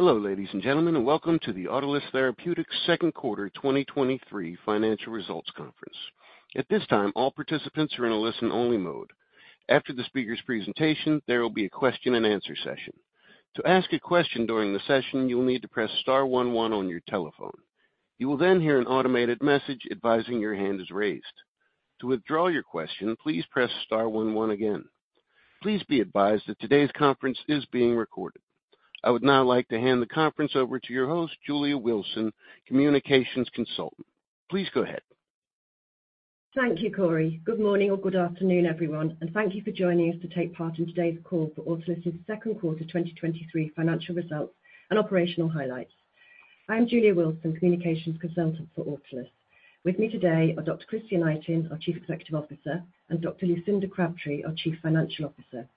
Hello, ladies and gentlemen, and welcome to the Autolus Therapeutics second quarter 2023 financial results conference. At this time, all participants are in a listen-only mode. After the speaker's presentation, there will be a question-and-answer session. To ask a question during the session, you will need to press star one one on your telephone. You will then hear an automated message advising your hand is raised. To withdraw your question, please press star one one again. Please be advised that today's conference is being recorded. I would now like to hand the conference over to your host, Julia Wilson, Communications Consultant. Please go ahead. Thank you, Corey. Good morning or good afternoon, everyone, and thank you for joining us to take part in today's call for Autolus' second quarter 2023 financial results and operational highlights. I'm Julia Wilson, Communications Consultant for Autolus. With me today are Dr. Christian Itin, our Chief Executive Officer, and Dr. Lucinda Crabtree, our Chief Financial Officer.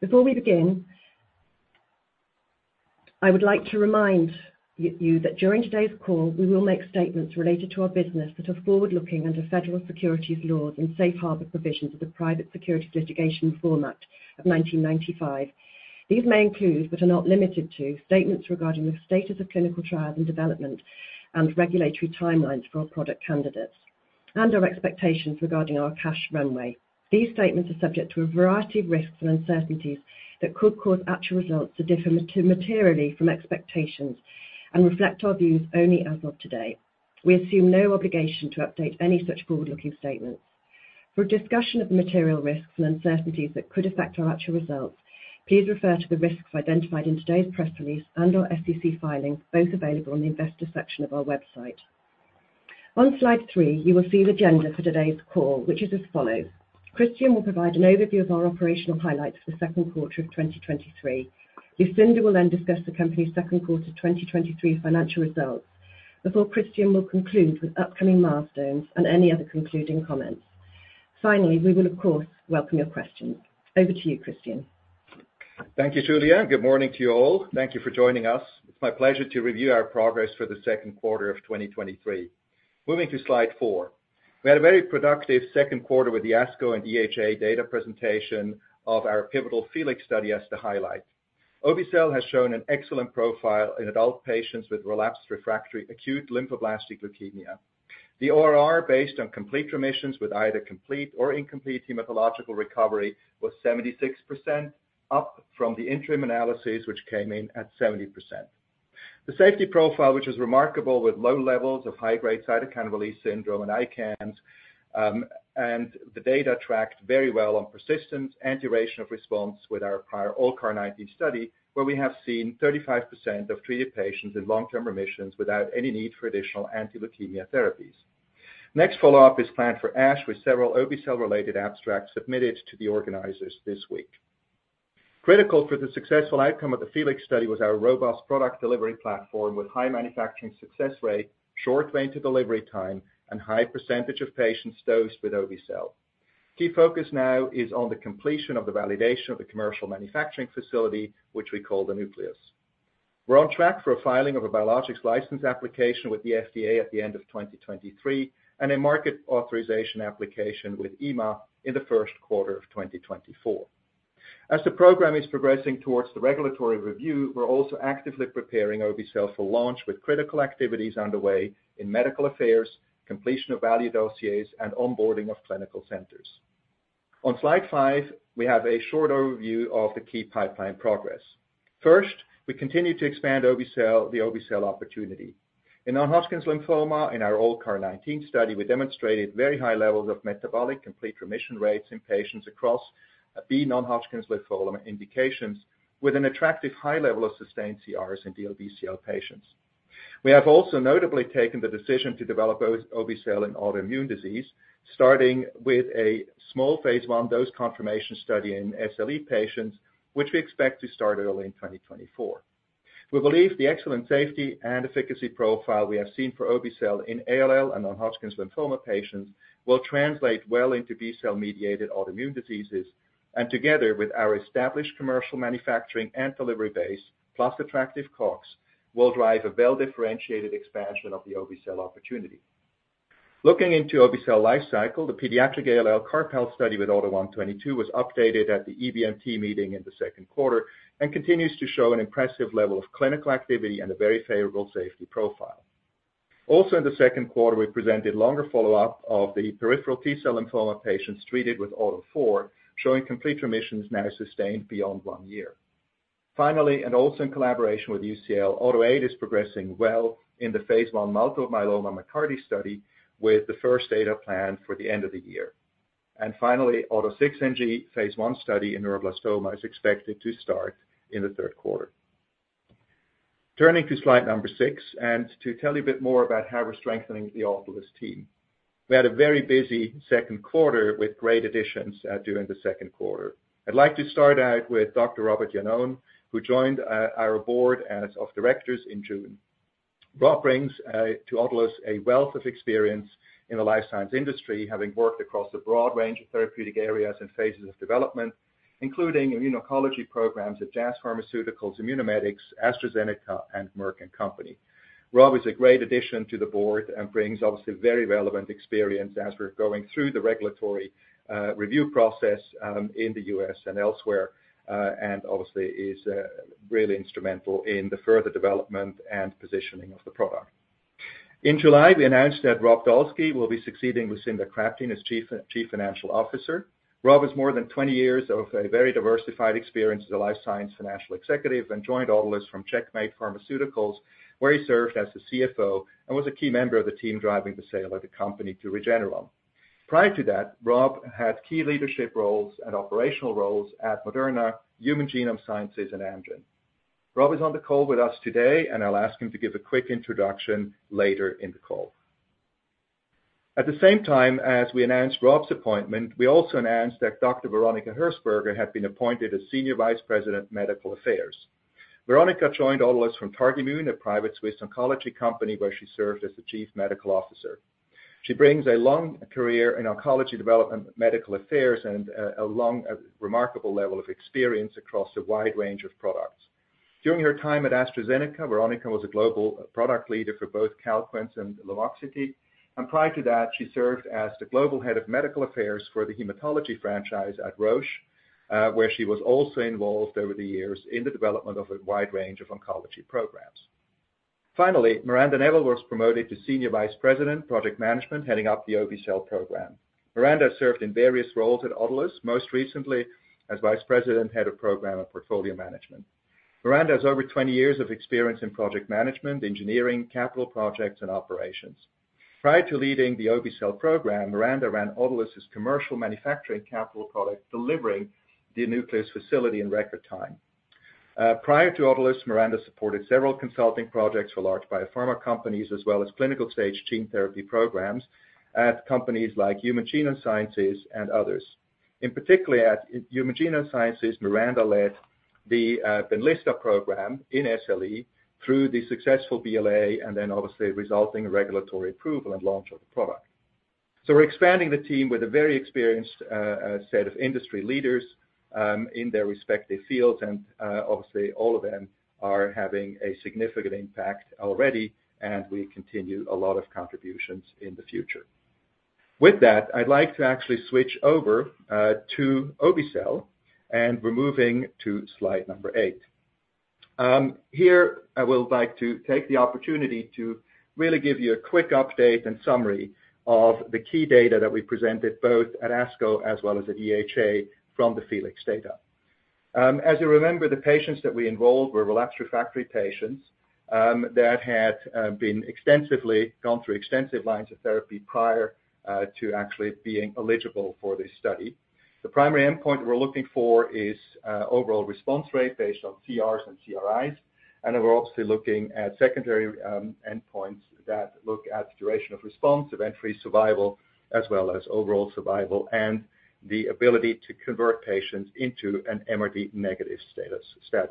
Before we begin, I would like to remind you that during today's call, we will make statements related to our business that are forward-looking under federal securities laws and safe harbor provisions of the Private Securities Litigation Format of 1995. These may include, but are not limited to, statements regarding the status of clinical trials and development and regulatory timelines for our product candidates, and our expectations regarding our cash runway. These statements are subject to a variety of risks and uncertainties that could cause actual results to differ to materially from expectations and reflect our views only as of today. We assume no obligation to update any such forward-looking statements. For a discussion of the material risks and uncertainties that could affect our actual results, please refer to the risks identified in today's press release and our SEC filings, both available on the investor section of our website. On slide three, you will see the agenda for today's call, which is as follows: Christian will provide an overview of our operational highlights for the second quarter of 2023. Lucinda will then discuss the company's second quarter 2023 financial results, before Christian will conclude with upcoming milestones and any other concluding comments. Finally, we will, of course, welcome your questions. Over to you, Christian. Thank you, Julia. Good morning to you all. Thank you for joining us. It's my pleasure to review our progress for the second quarter of 2023. Moving to slide four. We had a very productive second quarter with the ASCO and EHA data presentation of our pivotal FELIX study as the highlight. obe-cel has shown an excellent profile in adult patients with relapsed refractory acute lymphoblastic leukemia. The ORR, based on complete remissions with either complete or incomplete hematological recovery, was 76%, up from the interim analysis, which came in at 70%. The safety profile, which is remarkable, with low levels of high-grade cytokine release syndrome and ICANS, and the data tracked very well on persistence and duration of response with our prior ALLCAR19 study, where we have seen 35% of treated patients in long-term remissions without any need for additional anti-leukemia therapies. Next follow-up is planned for ASH, with several obe-cel-related abstracts submitted to the organizers this week. Critical for the successful outcome of the FELIX study was our robust product delivery platform with high manufacturing success rate, short way to delivery time, and high percentage of patients dosed with obe-cel. Key focus now is on the completion of the validation of the commercial manufacturing facility, which we call the Nucleus. We're on track for a filing of a biologics license application with the FDA at the end of 2023, and a market authorization application with EMA in the first quarter of 2024. As the program is progressing towards the regulatory review, we're also actively preparing obe-cel for launch, with critical activities underway in medical affairs, completion of value dossiers, and onboarding of clinical centers. On slide five, we have a short overview of the key pipeline progress. First, we continue to expand obe-cel, the obe-cel opportunity. In non-Hodgkin's lymphoma, in our ALLCAR19 study, we demonstrated very high levels of metabolic complete remission rates in patients across B non-Hodgkin's lymphoma indications, with an attractive high level of sustained CRs in the obe-cel patients. We have also notably taken the decision to develop obe-cel in autoimmune disease, starting with a small phase I dose confirmation study in SLE patients, which we expect to start early in 2024. We believe the excellent safety and efficacy profile we have seen for obe-cel in ALL and non-Hodgkin's lymphoma patients will translate well into B-cell-mediated autoimmune diseases, and together with our established commercial manufacturing and delivery base, plus attractive costs, will drive a well-differentiated expansion of the obe-cel opportunity. Looking into obe-cel lifecycle, the pediatric ALLCAR PEDS study with AUTO1/22 was updated at the EBMT meeting in the second quarter and continues to show an impressive level of clinical activity and a very favorable safety profile. Also, in the second quarter, we presented longer follow-up of the peripheral T-cell lymphoma patients treated with AUTO4, showing complete remissions now sustained beyond one year. Finally, and also in collaboration with UCL, AUTO8 is progressing well in the phase I multiple myeloma MCARTY study, with the first data planned for the end of the year. Finally, AUTO6NG phase I study in neuroblastoma is expected to start in the third quarter. Turning to slide number six, and to tell you a bit more about how we're strengthening the Autolus team. We had a very busy second quarter with great additions, during the second quarter. I'd like to start out with Dr. Robert Iannone, who joined our board of directors in June. Rob brings to Autolus a wealth of experience in the life science industry, having worked across a broad range of therapeutic areas and phases of development, including immuno-oncology programs at Jazz Pharmaceuticals, Immunomedics, AstraZeneca, and Merck & Company. Rob is a great addition to the board and brings obviously very relevant experience as we're going through the regulatory review process in the U.S. and elsewhere, and obviously is really instrumental in the further development and positioning of the product. In July, we announced that Rob Dolski will be succeeding Lucinda Crabtree as Chief, Chief Financial Officer. Rob has more than 20 years of a very diversified experience as a life science financial executive and joined Autolus from Checkmate Pharmaceuticals, where he served as the CFO and was a key member of the team driving the sale of the company to Regeneron. Prior to that, Rob had key leadership roles and operational roles at Moderna, Human Genome Sciences, and Amgen. Rob is on the call with us today, and I'll ask him to give a quick introduction later in the call. At the same time as we announced Rob's appointment, we also announced that Dr. Veronica Hersberger had been appointed as Senior Vice President, Medical Affairs. Veronica joined Autolus from TargImmune, a private Swiss oncology company, where she served as the Chief Medical Officer. She brings a long career in oncology development, medical affairs, and a long, remarkable level of experience across a wide range of products. During her time at AstraZeneca, Veronica was a global product leader for both Calquence and Lumoxiti, and prior to that, she served as the Global Head of Medical Affairs for the hematology franchise at Roche, where she was also involved over the years in the development of a wide range of oncology programs. Finally, Miranda Neville was promoted to Senior Vice President, Project Management, heading up the obe-cel program. Miranda has served in various roles at Autolus, most recently as Vice President, Head of Program and Portfolio Management. Miranda has over 20 years of experience in project management, engineering, capital projects, and operations. Prior to leading the obe-cel program, Miranda ran Autolus's commercial manufacturing capital product, delivering the nucleus facility in record time. Prior to Autolus, Miranda supported several consulting projects for large biopharma companies, as well as clinical-stage gene therapy programs at companies like Human Genome Sciences and others. In particular, at Human Genome Sciences, Miranda led the Benlysta program in SLE through the successful BLA, and then obviously resulting in regulatory approval and launch of the product. We're expanding the team with a very experienced set of industry leaders in their respective fields, and obviously, all of them are having a significant impact already, and we continue a lot of contributions in the future. With that, I'd like to actually switch over to obe-cel, and we're moving to slide number eight. Here, I would like to take the opportunity to really give you a quick update and summary of the key data that we presented, both at ASCO as well as at EHA, from the FELIX data. As you remember, the patients that we enrolled were relapsed refractory patients that had been extensively gone through extensive lines of therapy prior to actually being eligible for this study. The primary endpoint we're looking for is overall response rate based on CRs and CRIs, and we're obviously looking at secondary endpoints that look at duration of response, event-free survival, as well as overall survival, and the ability to convert patients into an MRD-negative status.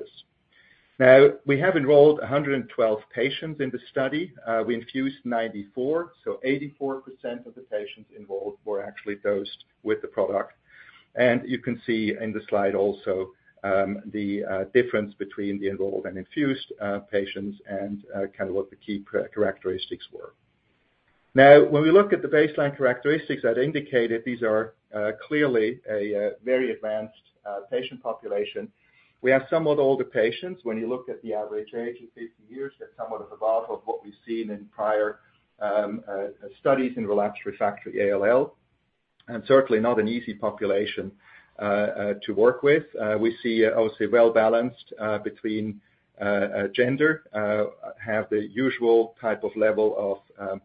Now, we have enrolled 112 patients in the study. We infused 94, so 84% of the patients involved were actually dosed with the product. You can see in the slide also, the difference between the enrolled and infused patients and kind of what the key characteristics were. Now, when we look at the baseline characteristics that indicated, these are clearly a very advanced patient population. We have somewhat older patients. When you look at the average age of 50 years, that's somewhat above of what we've seen in prior studies in relapsed refractory ALL, and certainly not an easy population to work with. We see, obviously, well balanced between gender, have the usual type of level of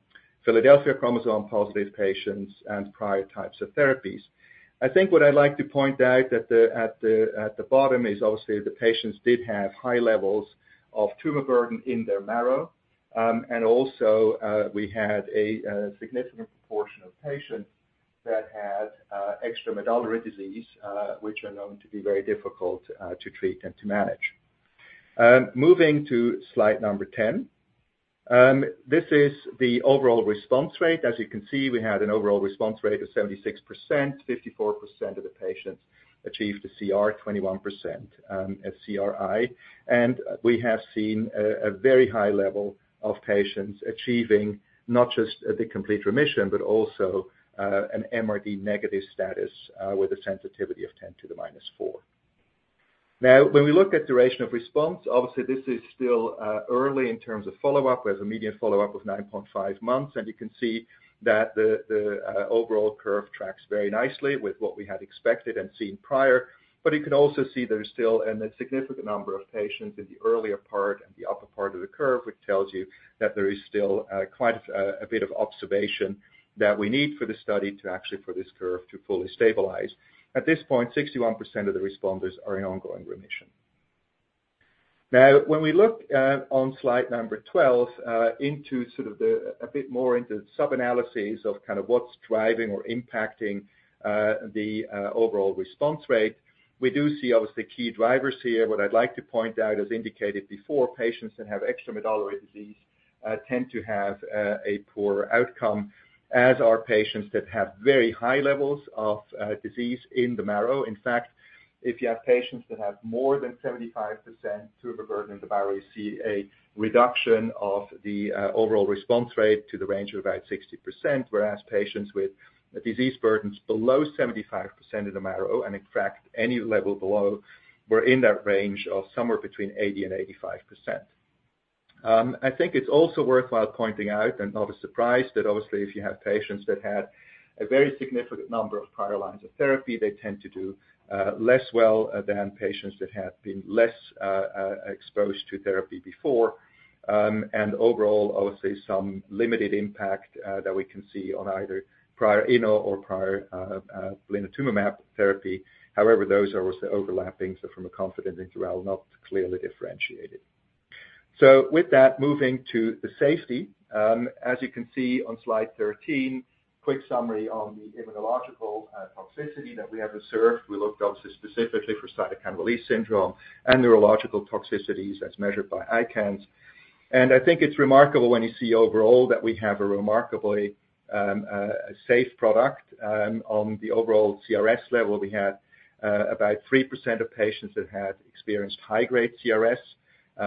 Philadelphia chromosome positive patients and prior types of therapies. I think what I'd like to point out at the bottom is obviously the patients did have high levels of tumor burden in their marrow, and also, we had a significant proportion of patients that had extramedullary disease, which are known to be very difficult to treat and to manage. Moving to slide number 10. This is the overall response rate. As you can see, we had an overall response rate of 76%, 54% of the patients achieved a CR, 21% a CRI. We have seen a very high level of patients achieving not just the complete remission, but also an MRD-negative status with a sensitivity of 10 to the -4. Now, when we look at duration of response, obviously this is still early in terms of follow-up. We have a median follow-up of 9.5 months, and you can see that the, the overall curve tracks very nicely with what we had expected and seen prior. You can also see there is still a significant number of patients in the earlier part and the upper part of the curve, which tells you that there is still quite a bit of observation that we need for this study to actually, for this curve to fully stabilize. At this point, 61% of the responders are in ongoing remission. Now, when we look on slide number 12, into sort of the, a bit more into the sub-analysis of kind of what's driving or impacting the overall response rate, we do see, obviously, key drivers here. What I'd like to point out, as indicated before, patients that have extramedullary disease, tend to have a poor outcome, as are patients that have very high levels of disease in the marrow. In fact, if you have patients that have more than 75% tumor burden in the marrow, you see a reduction of the overall response rate to the range of about 60%, whereas patients with disease burdens below 75% in the marrow, and in fact, any level below, were in that range of somewhere between 80% and 85%. I think it's also worthwhile pointing out, and not a surprise, that obviously, if you have patients that had a very significant number of prior lines of therapy, they tend to do less well than patients that have been less exposed to therapy before. Overall, obviously, some limited impact that we can see on either prior Eno or prior blinatumomab therapy. However, those are also overlapping, from a confidence interval, not clearly differentiated. With that, moving to the safety. As you can see on slide 13, quick summary on the immunological toxicity that we have observed. We looked also specifically for cytokine release syndrome and neurological toxicities as measured by ICANS. I think it's remarkable when you see overall that we have a remarkably safe product. On the overall CRS level, we had about 3% of patients that had experienced high-grade CRS,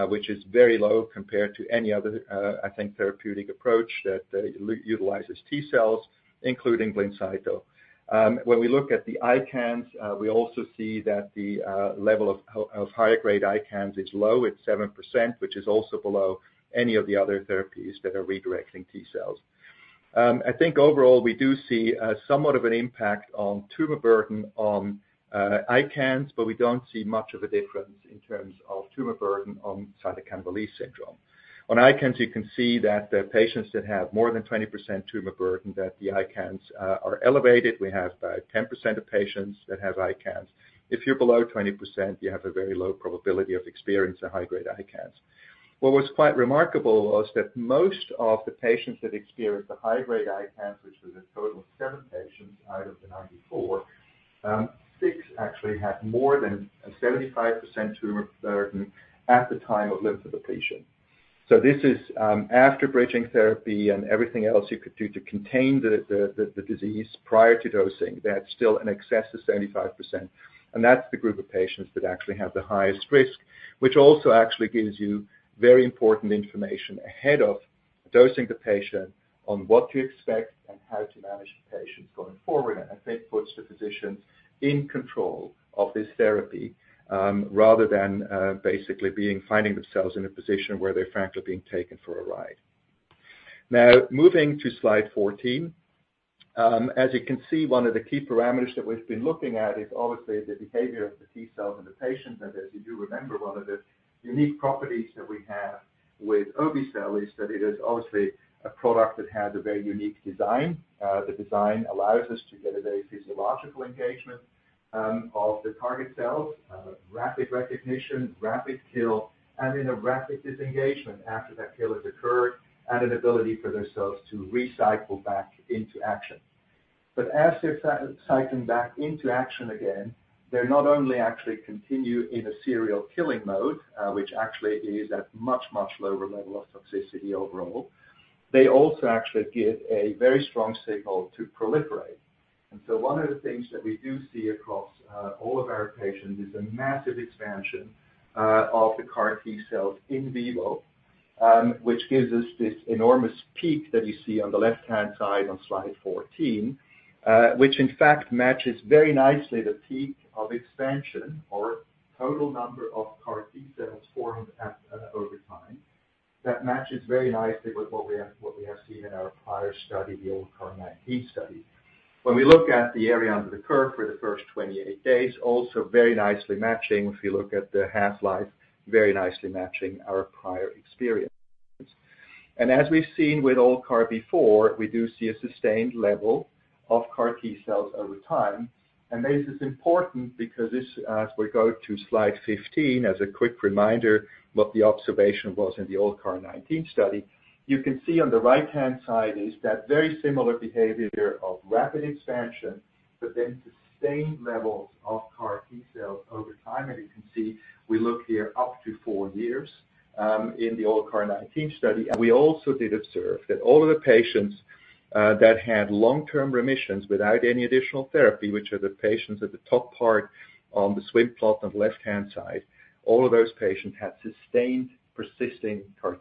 which is very low compared to any other, I think, therapeutic approach that utilizes T-cells, including Blincyto. When we look at the ICANS, we also see that the level of, of higher grade ICANS is low at 7%, which is also below any of the other therapies that are redirecting T-cells. I think overall, we do see somewhat of an impact on tumor burden on ICANS, but we don't see much of a difference in terms of tumor burden on cytokine release syndrome. On ICANS, you can see that the patients that have more than 20% tumor burden, that the ICANS are elevated. We have about 10% of patients that have ICANS. If you're below 20%, you have a very low probability of experiencing a high-grade ICANS. What was quite remarkable was that most of the patients that experienced the high-grade ICANS, which was a total of seven patients out of the 94, six actually had more than a 75% tumor burden at the time of lymphodepletion. This is after bridging therapy and everything else you could do to contain the, the, the, the disease prior to dosing, that's still in excess of 75%, and that's the group of patients that actually have the highest risk, which also actually gives you very important information ahead of dosing the patient on what to expect and how to manage the patients going forward. I think puts the physician in control of this therapy, rather than finding themselves in a position where they're frankly being taken for a ride. Moving to slide 14. As you can see, one of the key parameters that we've been looking at is obviously the behavior of the T-cells in the patient. As you do remember, one of the unique properties that we have with obe-cel is that it is obviously a product that has a very unique design. The design allows us to get a very physiological engagement of the target cells, rapid recognition, rapid kill, and then a rapid disengagement after that kill has occurred, and an ability for those cells to recycle back into action. As they're cycling back into action again, they're not only actually continue in a serial killing mode, which actually is at much, much lower level of toxicity overall, they also actually give a very strong signal to proliferate. One of the things that we do see across all of our patients is a massive expansion of the CAR T-cells in vivo, which gives us this enormous peak that you see on the left-hand side on slide 14. Which in fact, matches very nicely the peak of expansion or total number of CAR T-cells formed at over time. That matches very nicely with what we have, what we have seen in our prior study, the old CAR19 study. When we look at the area under the curve for the first 28 days, also very nicely matching, if you look at the half-life, very nicely matching our prior experience. As we've seen with all CAR before, we do see a sustained level of CAR T-cells over time. This is important because this, as we go to slide 15, as a quick reminder, what the observation was in the old CAR19 study, you can see on the right-hand side is that very similar behavior of rapid expansion, but then sustained levels of CAR T-cells over time. You can see, we look here up to four years in the old CAR19 study. We also did observe that all of the patients that had long-term remissions without any additional therapy, which are the patients at the top part on the swim plot on the left-hand side, all of those patients had sustained, persisting CAR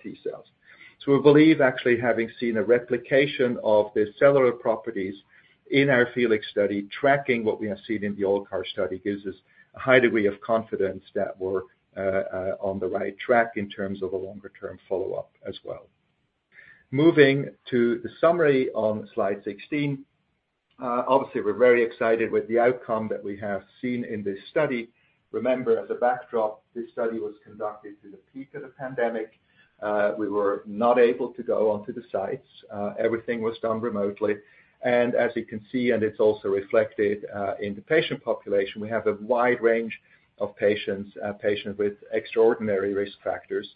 T-cells. We believe actually, having seen a replication of the cellular properties in our FELIX study, tracking what we have seen in the old CAR study, gives us a high degree of confidence that we're on the right track in terms of a longer-term follow-up as well. Moving to the summary on slide 16. Obviously, we're very excited with the outcome that we have seen in this study. Remember, as a backdrop, this study was conducted through the peak of the pandemic. We were not able to go onto the sites. Everything was done remotely. As you can see, and it's also reflected in the patient population, we have a wide range of patients, patients with extraordinary risk factors,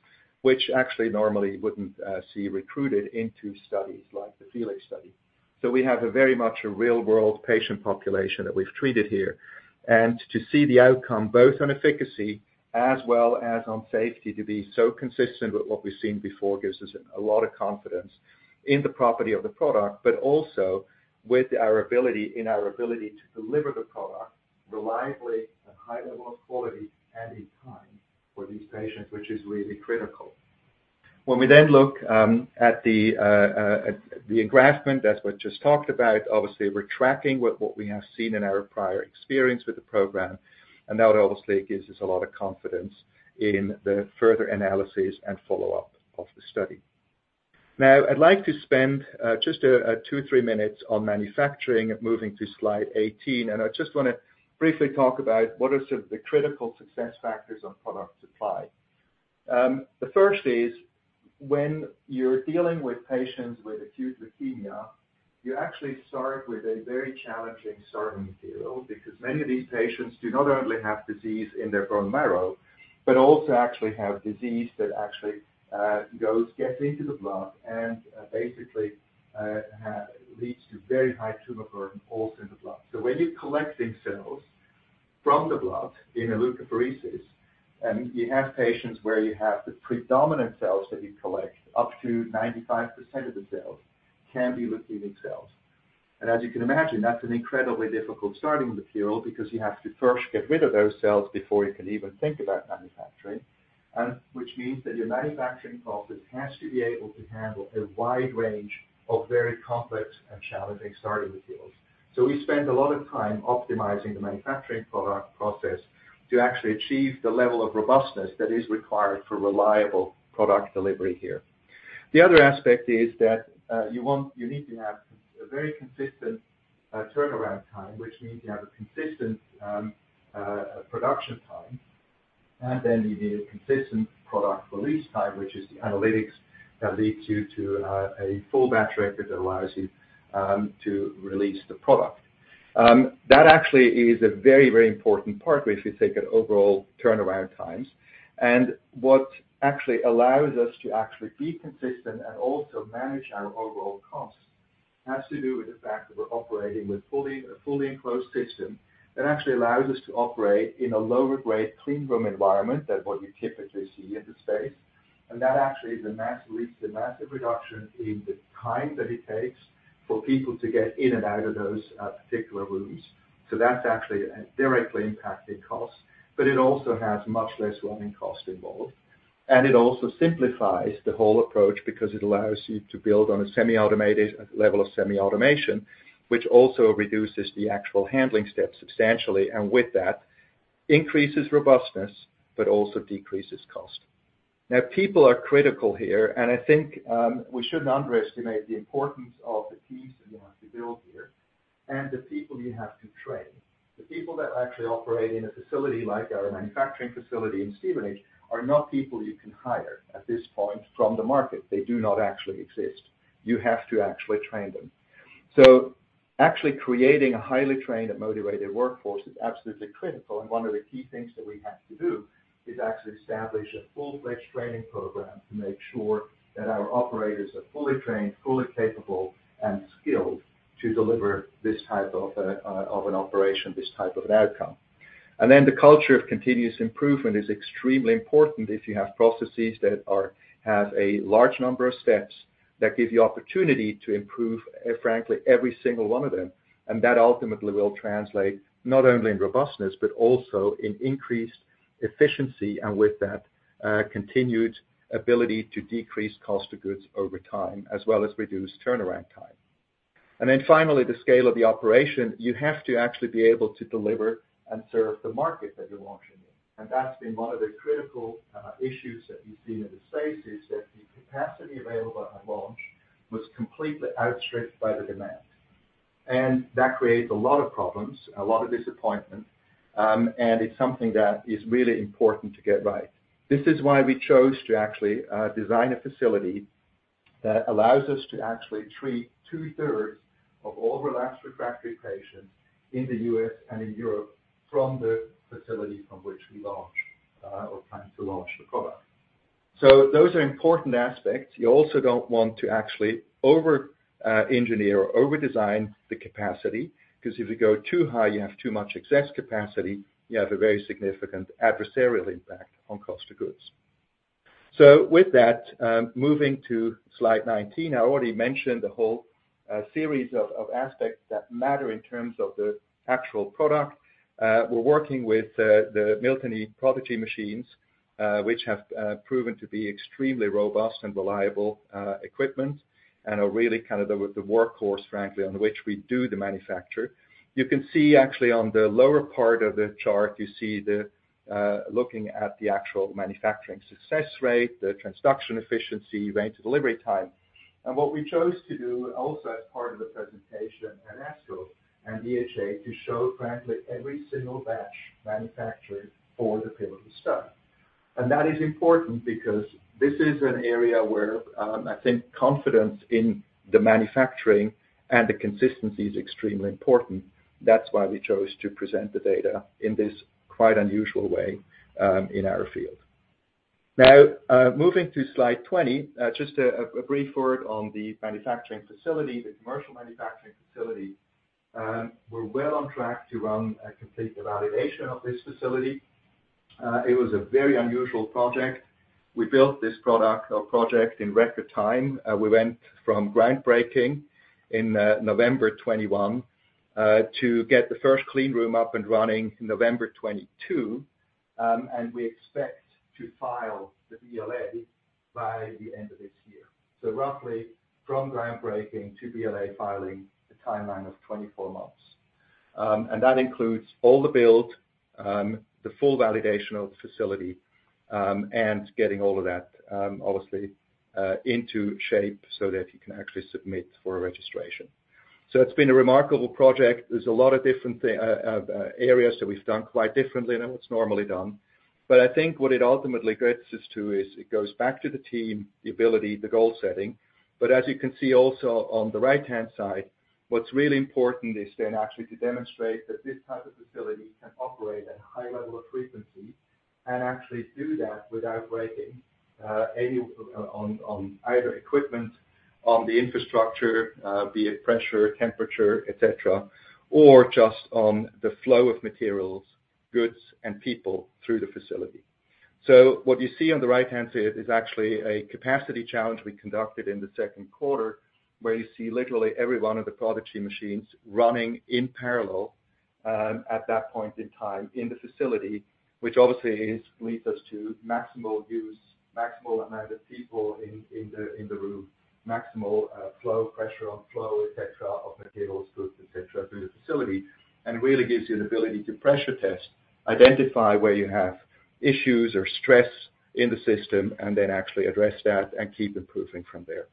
which actually normally wouldn't see recruited into studies like the FELIX study. So we have a very much a real-world patient population that we've treated here. To see the outcome, both on efficacy as well as on safety, to be so consistent with what we've seen before, gives us a lot of confidence in the property of the product, but also in our ability to deliver the product reliably, a high level of quality, and in time for these patients, which is really critical. When we then look at the engraftment, as we just talked about, obviously, we're tracking with what we have seen in our prior experience with the program, and that obviously gives us a lot of confidence in the further analysis and follow-up of the study. Now, I'd like to spend just two, three minutes on manufacturing, moving to slide 18. I just wanna briefly talk about what are some of the critical success factors on product supply. The first is, when you're dealing with patients with acute leukemia, you actually start with a very challenging starting material, because many of these patients do not only have disease in their bone marrow, but also actually have disease that actually goes, gets into the blood and basically leads to very high tumor burden also in the blood. When you're collecting cells from the blood in a leukapheresis, and you have patients where you have the predominant cells that you collect, up to 95% of the cells can be leukemic cells. As you can imagine, that's an incredibly difficult starting material because you have to first get rid of those cells before you can even think about manufacturing, and which means that your manufacturing process has to be able to handle a wide range of very complex and challenging starting materials. We spend a lot of time optimizing the manufacturing product process to actually achieve the level of robustness that is required for reliable product delivery here. The other aspect is that you need to have a very consistent turnaround time, which means you have a consistent production time, and then you need a consistent product release time, which is the analytics that leads you to a full batch record that allows you to release the product. That actually is a very, very important part, which we take an overall turnaround times. What actually allows us to actually be consistent and also manage our overall costs, has to do with the fact that we're operating with fully, a fully enclosed system that actually allows us to operate in a lower grade clean room environment than what you typically see in the space. That actually leads to massive reduction in the time that it takes for people to get in and out of those particular rooms. That's actually directly impacting costs, but it also has much less running costs involved. It also simplifies the whole approach because it allows you to build on a semi-automated, level of semi-automation, which also reduces the actual handling steps substantially, and with that, increases robustness, but also decreases cost. Now, people are critical here, and I think, we shouldn't underestimate the importance of the teams that you have to build here and the people you have to train. The people that actually operate in a facility like our manufacturing facility in Stevenage, are not people you can hire at this point from the market. They do not actually exist. You have to actually train them. Actually, creating a highly trained and motivated workforce is absolutely critical, and one of the key things that we have to do, is actually establish a full-fledged training program to make sure that our operators are fully trained, fully capable and skilled to deliver this type of, of an operation, this type of an outcome. Then the culture of continuous improvement is extremely important if you have processes that are- have a large number of steps that give you opportunity to improve, frankly, every single one of them. That ultimately will translate not only in robustness, but also in increased efficiency, and with that, continued ability to decrease cost of goods over time, as well as reduce turnaround time. Then finally, the scale of the operation. You have to actually be able to deliver and serve the market that you're launching in. That's been one of the critical issues that we've seen in the space, is that the capacity available at launch was completely outstripped by the demand. That creates a lot of problems, a lot of disappointment, and it's something that is really important to get right. This is why we chose to actually design a facility that allows us to actually treat two-thirds of all relapsed refractory patients in the U.S. and in Europe from the facility from which we launch or plan to launch the product. Those are important aspects. You also don't want to actually over engineer or overdesign the capacity, because if you go too high, you have too much excess capacity, you have a very significant adversarial impact on cost of goods. With that, moving to slide 19, I already mentioned the whole series of aspects that matter in terms of the actual product. We're working with the Miltenyi Prodigy machines, which have proven to be extremely robust and reliable equipment, and are really kind of the workhorse, frankly, on which we do the manufacture. You can see actually on the lower part of the chart, you see the looking at the actual manufacturing success rate, the transduction efficiency, range delivery time. What we chose to do also as part of the presentation at ASCO and EHA, to show frankly, every single batch manufactured for the pivotal study. That is important because this is an area where, I think confidence in the manufacturing and the consistency is extremely important. That's why we chose to present the data in this quite unusual way, in our field. Now, moving to slide 20, just a brief word on the manufacturing facility, the commercial manufacturing facility. We're well on track to run a complete validation of this facility. It was a very unusual project. We built this product or project in record time. We went from groundbreaking in November 2021, to get the first clean room up and running in November 2022. We expect to file the BLA by the end of this year. Roughly from groundbreaking to BLA filing, a timeline of 24 months. That includes all the build, the full validation of the facility, and getting all of that, obviously, into shape so that you can actually submit for a registration. It's been a remarkable project. There's a lot of different thing, areas that we've done quite differently than what's normally done. I think what it ultimately gets us to is, it goes back to the team, the ability, the goal setting. As you can see also on the right-hand side, what's really important is then actually to demonstrate that this type of facility can operate at a high level of frequency and actually do that without breaking any on either equipment, on the infrastructure, be it pressure, temperature, et cetera, or just on the flow of materials, goods, and people through the facility. What you see on the right-hand side is actually a capacity challenge we conducted in the second quarter, where you see literally every one of the product team machines running in parallel, at that point in time in the facility, which obviously leads us to maximal use, maximal amount of people in, in the, in the room, maximal flow, pressure on flow, et cetera, of materials, goods, et cetera, through the facility. Really gives you an ability to pressure test, identify where you have issues or stress in the system, and then actually address that and keep improving from there.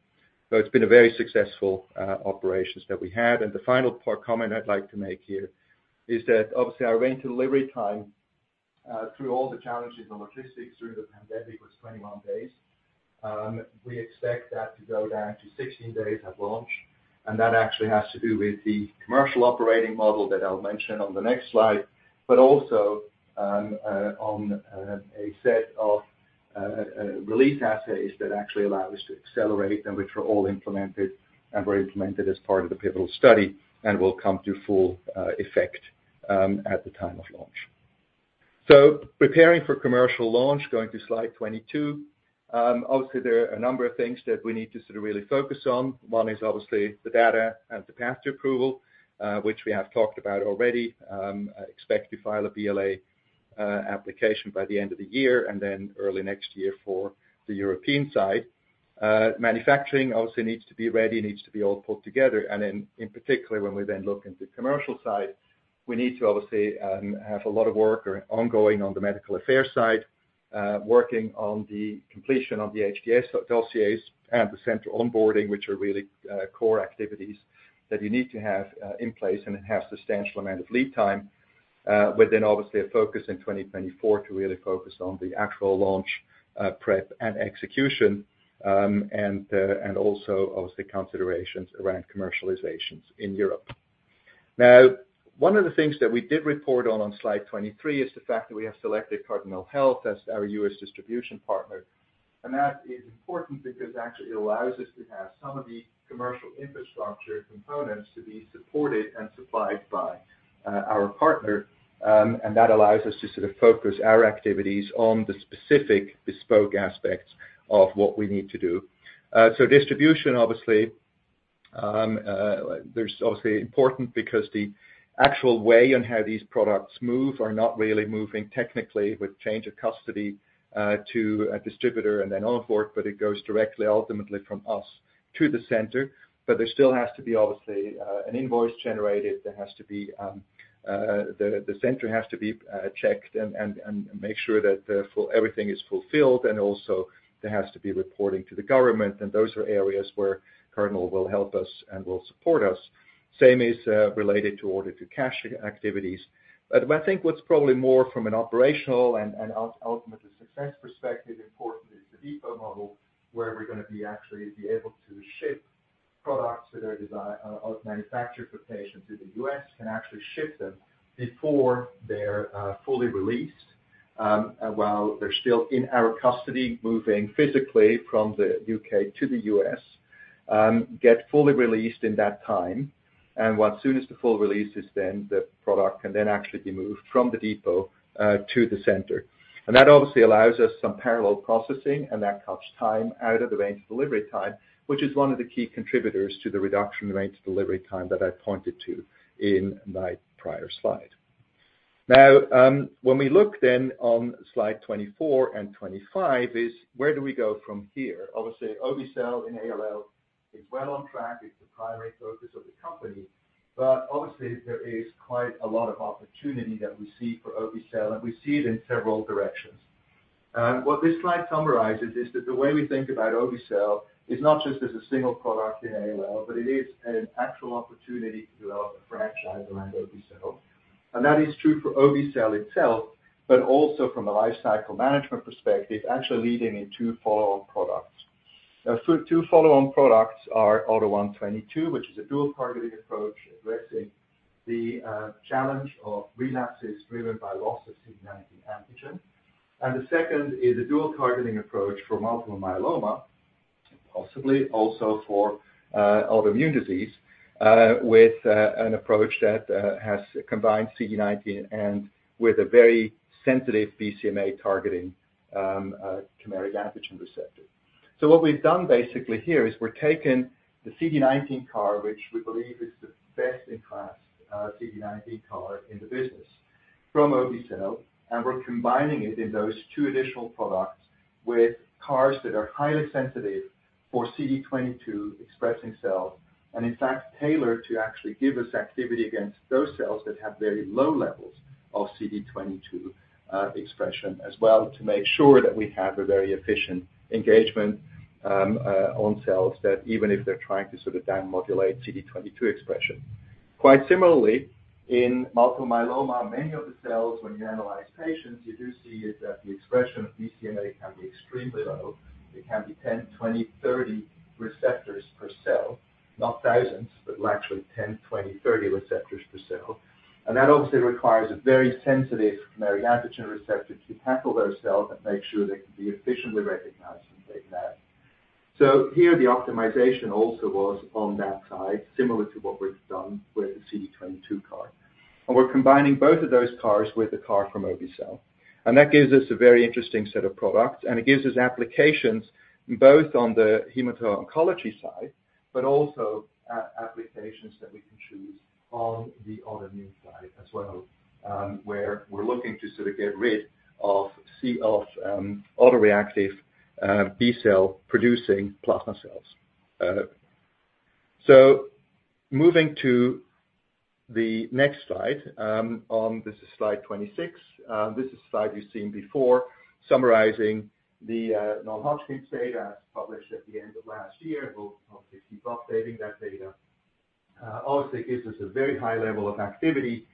It's been a very successful operations that we had. The final part comment I'd like to make here is that, obviously, our range delivery time, through all the challenges on logistics, through the pandemic, was 21 days. We expect that to go down to 16 days at launch, and that actually has to do with the commercial operating model that I'll mention on the next slide, but also on a set of release assays that actually allow us to accelerate, and which were all implemented and were implemented as part of the pivotal study and will come to full effect at the time of launch. Preparing for commercial launch, going to slide 22. Obviously, there are a number of things that we need to sort of really focus on. One is obviously the data and the path to approval, which we have talked about already. Expect to file a BLA application by the end of the year, and then early next year for the European side. Manufacturing also needs to be ready, needs to be all pulled together. In particular, when we then look into commercial side, we need to obviously have a lot of work or ongoing on the medical affairs side, working on the completion of the HTA dossiers and the central onboarding, which are really core activities that you need to have in place and have substantial amount of lead time, with then obviously a focus in 2024 to really focus on the actual launch prep and execution, and also obviously considerations around commercializations in Europe. Now, one of the things that we did report on, on slide 23, is the fact that we have selected Cardinal Health as our U.S. distribution partner, and that is important because actually it allows us to have some of the commercial infrastructure components to be supported and supplied by our partner, and that allows us to sort of focus our activities on the specific bespoke aspects of what we need to do. So distribution, obviously, there's obviously important because the actual way on how these products move are not really moving technically with change of custody to a distributor and then onward, but it goes directly ultimately from us to the center. But there still has to be, obviously, an invoice generated, there has to be. The center has to be checked and, and, and make sure that everything is fulfilled, and also there has to be reporting to the government, and those are areas where Cardinal will help us and will support us. Same is related to order-to-cash activities. I think what's probably more from an operational and ultimately success perspective, importantly, is the depot model, where we're gonna be actually be able to ship products that are manufactured for patients in the U.S., and actually ship them before they're fully released, while they're still in our custody, moving physically from the U.K. to the U.S. Get fully released in that time, and once soon as the full release is then, the product can then actually be moved from the depot to the center. That obviously allows us some parallel processing, and that cuts time out of the range of delivery time, which is one of the key contributors to the reduction in the range of delivery time that I pointed to in my prior slide. Now, when we look then on slide 24 and 25, is where do we go from here? Obviously, obe-cel in ALL is well on track. It's the primary focus of the company. Obviously, there is quite a lot of opportunity that we see for obe-cel. We see it in several directions. What this slide summarizes is that the way we think about obe-cel is not just as a single product in ALL, but it is an actual opportunity to develop a franchise around obe-cel. That is true for obe-cel itself, but also from a lifecycle management perspective, actually leading in two follow-on products. Two follow-on products are AUTO1/22, which is a dual targeting approach, addressing the challenge of relapses driven by loss of CD19 antigen. The second is a dual targeting approach for multiple myeloma, possibly also for autoimmune disease, with an approach that has combined CD19 and with a very sensitive BCMA targeting chimeric antigen receptor. What we've done basically here is we've taken the CD19 CAR, which we believe is the best in class CD19 CAR in the business. from obe-cel, and we're combining it in those two additional products with CARs that are highly sensitive for CD22-expressing cells, and in fact, tailored to actually give us activity against those cells that have very low levels of CD22 expression as well, to make sure that we have a very efficient engagement on cells that even if they're trying to sort of down-modulate CD22 expression. Quite similarly, in multiple myeloma, many of the cells, when you analyze patients, you do see is that the expression of BCMA can be extremely low. It can be 10, 20, 30 receptors per cell, not thousands, but actually 10, 20, 30 receptors per cell. That obviously requires a very sensitive chimeric antigen receptor to tackle those cells and make sure they can be efficiently recognized and taken out. Here, the optimization also was on that side, similar to what we've done with the CD22 CAR. We're combining both of those CARs with a CAR from obe-cel, and that gives us a very interesting set of products, and it gives us applications both on the hemato-oncology side, but also applications that we can choose on the autoimmune side as well, where we're looking to sort of get rid of autoreactive B-cell-producing plasma cells. Moving to the next slide, on, this is slide 26. This is a slide you've seen before, summarizing the non-Hodgkin's data as published at the end of last year. We'll obviously keep updating that data. Obviously, it gives us a very high level of activity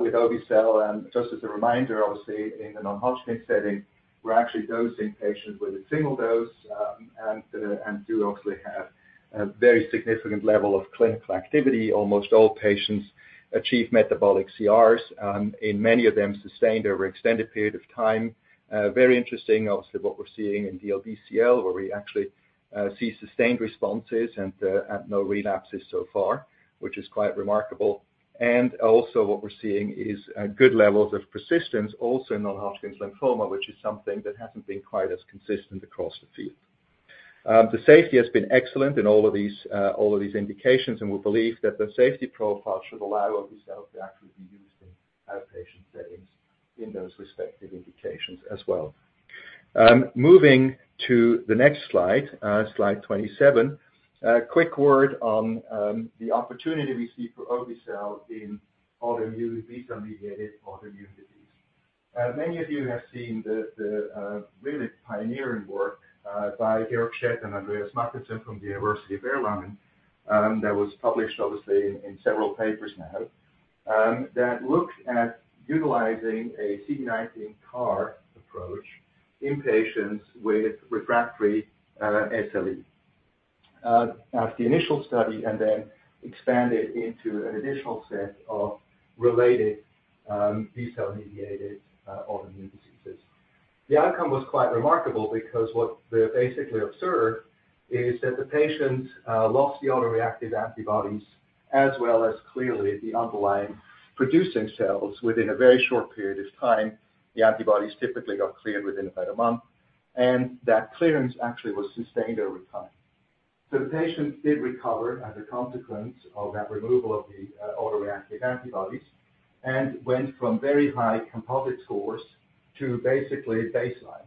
with obe-cel. Just as a reminder, obviously, in the non-Hodgkin's setting, we're actually dosing patients with a single dose, and do obviously have a very significant level of clinical activity. Almost all patients achieve metabolic CRs, and many of them sustained over an extended period of time. Very interesting, obviously, what we're seeing in DLBCL, where we actually see sustained responses and no relapses so far, which is quite remarkable. Also, what we're seeing is good levels of persistence also in non-Hodgkin's lymphoma, which is something that hasn't been quite as consistent across the field. The safety has been excellent in all of these, all of these indications, and we believe that the safety profile should allow obe-cel to actually be used in outpatient settings in those respective indications as well. Moving to the next slide, slide 27. A quick word on the opportunity we see for obe-cel in autoimmune, B-cell mediated autoimmune disease. Many of you have seen the, the really pioneering work by Georg Schett and Andreas Mackensen from the University of Erlangen, that was published, obviously, in several papers now, that looked at utilizing a CD19 CAR approach in patients with refractory SLE. After the initial study and then expanded into an additional set of related B-cell mediated autoimmune diseases. The outcome was quite remarkable because what they basically observed is that the patients lost the autoreactive antibodies, as well as clearly the underlying producing cells within a very short period of time. The antibodies typically got cleared within about a month, and that clearance actually was sustained over time. The patients did recover as a consequence of that removal of the autoreactive antibodies and went from very high composite scores to basically baseline.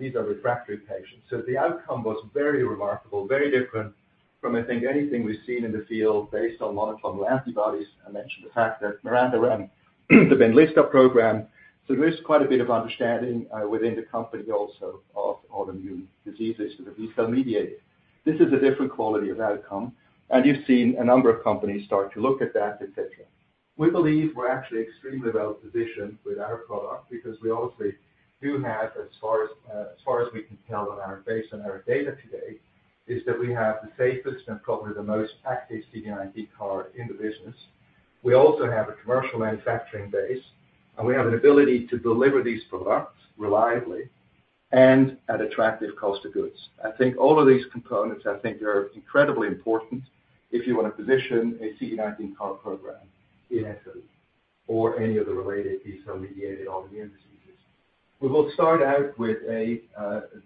These are refractory patients. The outcome was very remarkable, very different from, I think, anything we've seen in the field based on monoclonal antibodies. I mentioned the fact that Miranda ran the Benlysta program, so there is quite a bit of understanding within the company also of autoimmune diseases that are B-cell mediated. This is a different quality of outcome, and you've seen a number of companies start to look at that, et cetera. We believe we're actually extremely well-positioned with our product because we obviously do have, as far as, as far as we can tell on our base, on our data today, is that we have the safest and probably the most active CD19 CAR in the business. We also have a commercial manufacturing base, and we have an ability to deliver these products reliably and at attractive cost of goods. I think all of these components, I think, are incredibly important if you want to position a CD19 CAR program in SLE or any of the related B-cell mediated autoimmune diseases. We will start out with a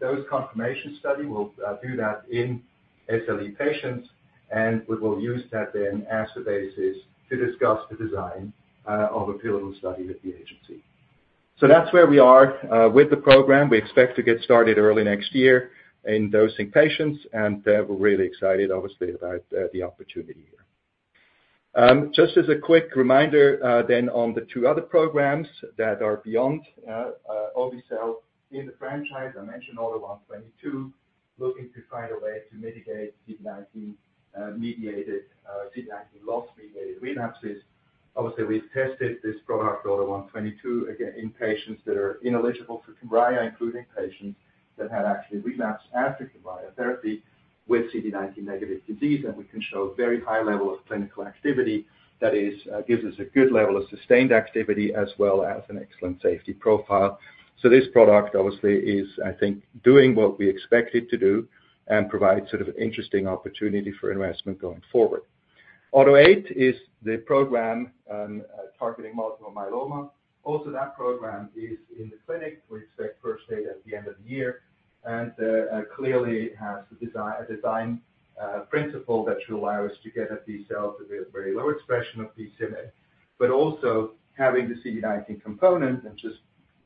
dose confirmation study. We'll do that in SLE patients, and we will use that then as the basis to discuss the design of a pivotal study with the agency. That's where we are with the program. We expect to get started early next year in dosing patients, and we're really excited, obviously, about the opportunity here. Just as a quick reminder, on the two other programs that are beyond obe-cel in the franchise, I mentioned AUTO1/22, looking to find a way to mitigate CD19 mediated CD19 loss-mediated relapses. Obviously, we've tested this product, AUTO1/22, again, in patients that are ineligible for Kymriah, including patients that had actually relapsed after Kymriah therapy with CD19-negative disease. We can show a very high level of clinical activity that is, gives us a good level of sustained activity as well as an excellent safety profile. This product, obviously, is, I think, doing what we expect it to do and provides sort of an interesting opportunity for investment going forward. AUTO8 is the program targeting multiple myeloma. That program is in the clinic. We expect first data at the end of the year. Clearly has a design principle that should allow us to get at these cells with a very low expression of BCMA, but also having the CD19 component and just,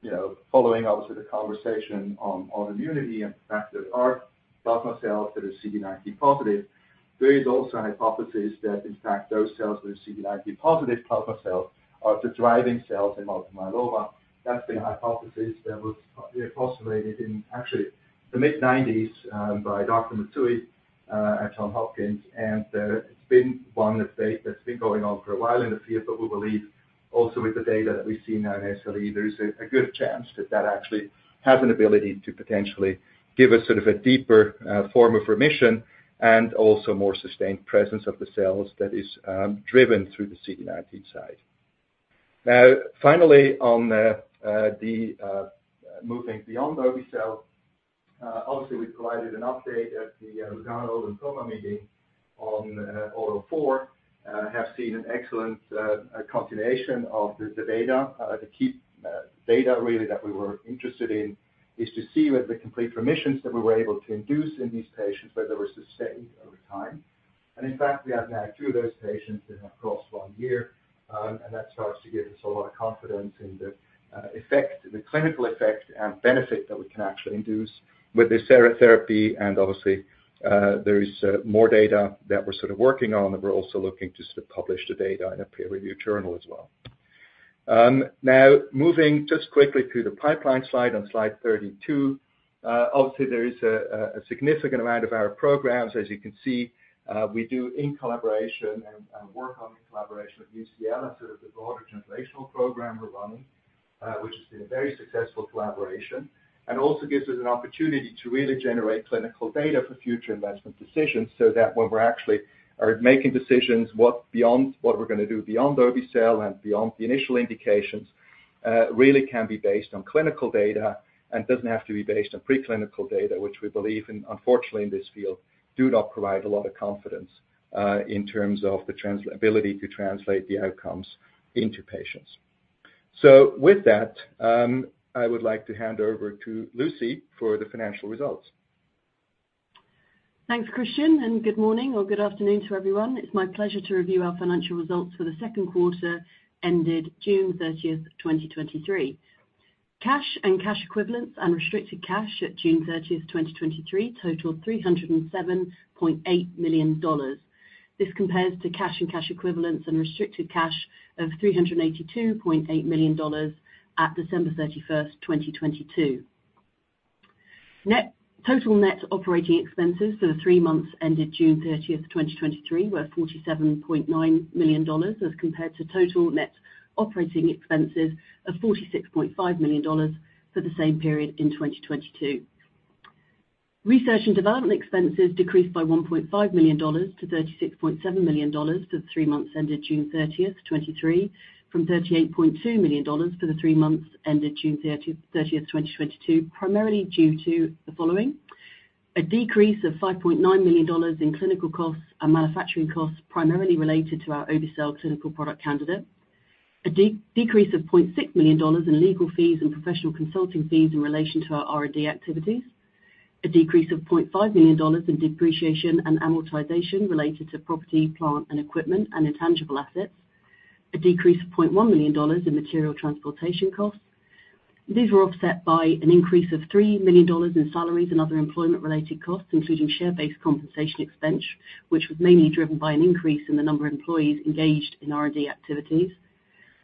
you know, following also the conversation on, on immunity and the fact that our plasma cells that are CD19 positive. There is also a hypothesis that, in fact, those cells with CD19 positive plasma cells are the driving cells in multiple myeloma. That's the hypothesis that was postulated in actually the mid-'90s, by Dr. Matsui, at Johns Hopkins, and it's been one that's, that's been going on for a while in the field. We believe also with the data that we've seen now in SLE, there is a good chance that that actually has an ability to potentially give us sort of a deeper form of remission and also more sustained presence of the cells that is driven through the CD19 side. Now, finally, on the moving beyond obe-cel, obviously, we provided an update at the Lugano Lymphoma Meeting on AUTO4, have seen an excellent continuation of the data. The key data really that we were interested in is to see whether the complete remissions that we were able to induce in these patients, whether were sustained over time. In fact, we have now two of those patients that have crossed one year, and that starts to give us a lot of confidence in the effect, the clinical effect and benefit that we can actually induce with this therapy. Obviously, there is more data that we're sort of working on, that we're also looking to sort of publish the data in a peer-reviewed journal as well. Now moving just quickly through the pipeline slide on slide 32. Obviously, there is a significant amount of our programs. As you can see, we do in collaboration and, and work on in collaboration with UCL and sort of the broader translational program we're running, which has been a very successful collaboration, and also gives us an opportunity to really generate clinical data for future investment decisions, so that when we're actually are making decisions, what beyond, what we're gonna do beyond obe-cel and beyond the initial indications, really can be based on clinical data and doesn't have to be based on preclinical data, which we believe, and unfortunately in this field, do not provide a lot of confidence in terms of the ability to translate the outcomes into patients. With that, I would like to hand over to Lucy for the financial results. Thanks, Christian. Good morning or good afternoon to everyone. It's my pleasure to review our financial results for the second quarter, ended June 30th, 2023. Cash and cash equivalents, unrestricted cash at June 30th, 2023, totaled $307.8 million. This compares to cash and cash equivalents and restricted cash of $382.8 million at December 31st, 2022. Total net operating expenses for the three months ended June 30, 2023, were $47.9 million, as compared to total net operating expenses of $46.5 million for the same period in 2022. Research and development expenses decreased by $1.5 million to $36.7 million for the three months ended June 30, 2023, from $38.2 million for the three months ended June 30th, 2022, primarily due to the following: A decrease of $5.9 million in clinical costs and manufacturing costs, primarily related to our obe-cel clinical product candidate. A decrease of $0.6 million in legal fees and professional consulting fees in relation to our R&D activities. A decrease of $0.5 million in depreciation and amortization related to property, plant, and equipment and intangible assets. A decrease of $0.1 million in material transportation costs. These were offset by an increase of $3 million in salaries and other employment-related costs, including share-based compensation expense, which was mainly driven by an increase in the number of employees engaged in R&D activities.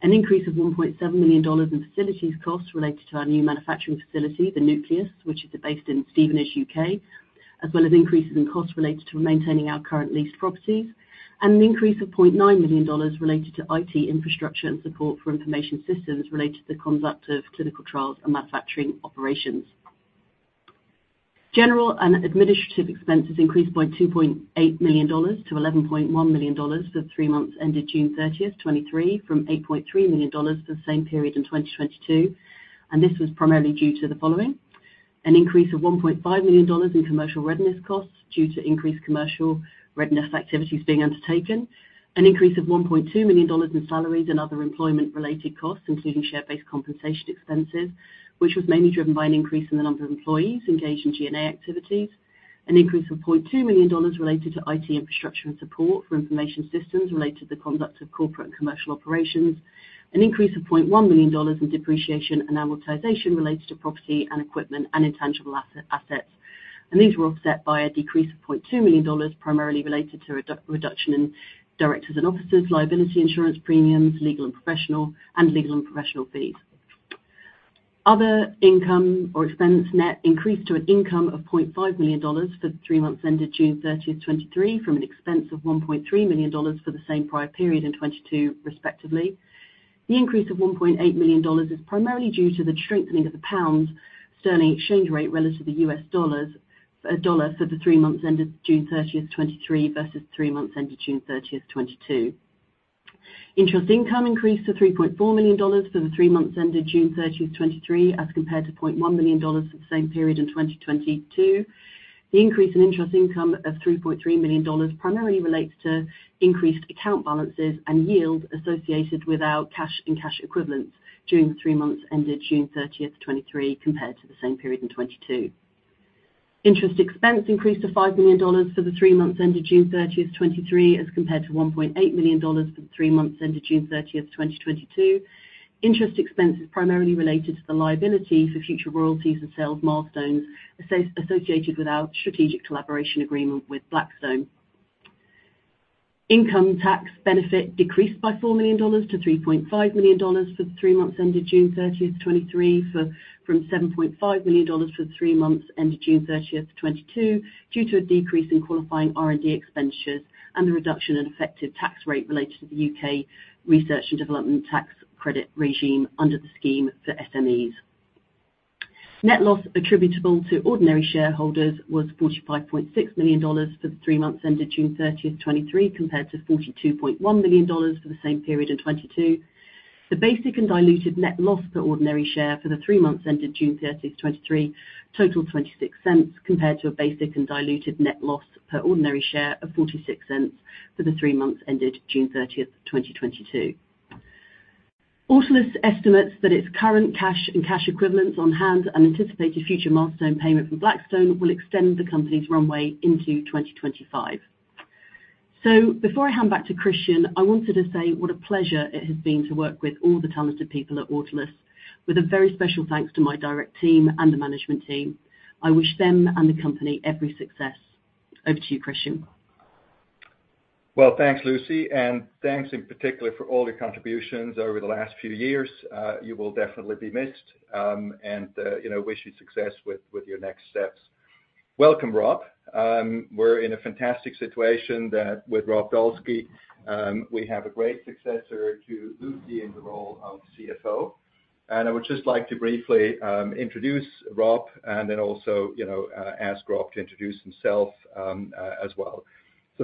Increase of $1.7 million in facilities costs related to our new manufacturing facility, The Nucleus, which is based in Stevenage, U.K., as well as increases in costs related to maintaining our current leased properties. Increase of $0.9 million related to IT infrastructure and support for information systems related to the conduct of clinical trials and manufacturing operations. General and administrative expenses increased by $2.8 million to $11.1 million for the three months ended June 30th, 2023, from $8.3 million for the same period in 2022. This was primarily due to the following: An increase of $1.5 million in commercial readiness costs due to increased commercial readiness activities being undertaken. An increase of $1.2 million in salaries and other employment-related costs, including share-based compensation expenses, which was mainly driven by an increase in the number of employees engaged in G&A activities. An increase of $0.2 million related to IT infrastructure and support for information systems related to the conduct of corporate and commercial operations. An increase of $0.1 million in depreciation and amortization related to property and equipment and intangible asset, assets. These were offset by a decrease of $0.2 million, primarily related to a reduction in directors and officers' liability insurance premiums, legal and professional, and legal and professional fees. Other income or expense net increased to an income of $0.5 million for the three months ended June 30th, 2023, from an expense of $1.3 million for the same prior period in 2022, respectively. The increase of $1.8 million is primarily due to the strengthening of the pound sterling exchange rate relative to the US dollar for the three months ended June 30th, 2023, versus three months ended June 30th, 2022. Interest income increased to $3.4 million for the three months ended June 30th, 2023, as compared to $0.1 million for the same period in 2022. The increase in interest income of $3.3 million primarily relates to increased account balances and yield associated with our cash and cash equivalents during the three months ended June 30th, 2023, compared to the same period in 2022. Interest expense increased to $5 million for the three months ended June 30th, 2023, as compared to $1.8 million for the three months ended June 30th, 2022. Interest expense is primarily related to the liability for future royalties and sales milestones associated with our strategic collaboration agreement with Blackstone. Income tax benefit decreased by $4 million to $3.5 million for the three months ended June 30, 2023, from $7.5 million for the three months ended June 30th, 2022, due to a decrease in qualifying R&D expenditures and the reduction in effective tax rate related to the U.K. Research and Development Tax Credit regime under the scheme for SMEs. Net loss attributable to ordinary shareholders was $45.6 million for the three months ended June 30th, 2023, compared to $42.1 million for the same period in 2022. The basic and diluted net loss per ordinary share for the three months ended June 30th, 2023, totaled $0.26, compared to a basic and diluted net loss per ordinary share of $0.46 for the three months ended June 30th, 2022. Autolus estimates that its current cash and cash equivalents on hand and anticipated future milestone payment from Blackstone will extend the company's runway into 2025. Before I hand back to Christian, I wanted to say what a pleasure it has been to work with all the talented people at Autolus, with a very special thanks to my direct team and the management team. I wish them and the company every success. Over to you, Christian. Well, thanks, Lucy, and thanks in particular for all your contributions over the last few years. You will definitely be missed, and, you know, wish you success with, with your next steps. Welcome, Rob. We're in a fantastic situation that with Rob Dolski, we have a great successor to Lucy in the role of CFO. I would just like to briefly introduce Rob and then also, you know, ask Rob to introduce himself as well.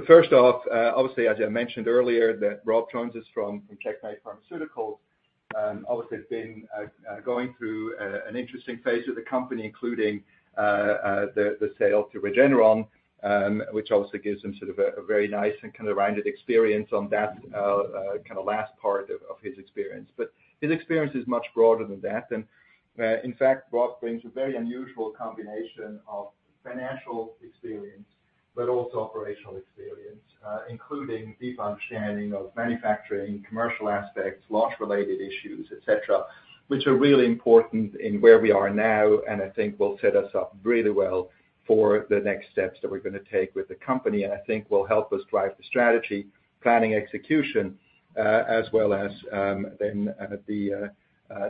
First off, obviously, as I mentioned earlier, that Rob joins us from Checkmate Pharmaceuticals. obviously has been going through an interesting phase of the company, including the sale to Regeneron, which also gives him sort of a very nice and kind of rounded experience on that kinda last part of his experience. His experience is much broader than that, and, in fact, Rob brings a very unusual combination of financial experience, but also operational experience, including deep understanding of manufacturing, commercial aspects, launch-related issues, et cetera, which are really important in where we are now, and I think will set us up really well for the next steps that we're gonna take with the company, and I think will help us drive the strategy, planning, execution, as well as, then, the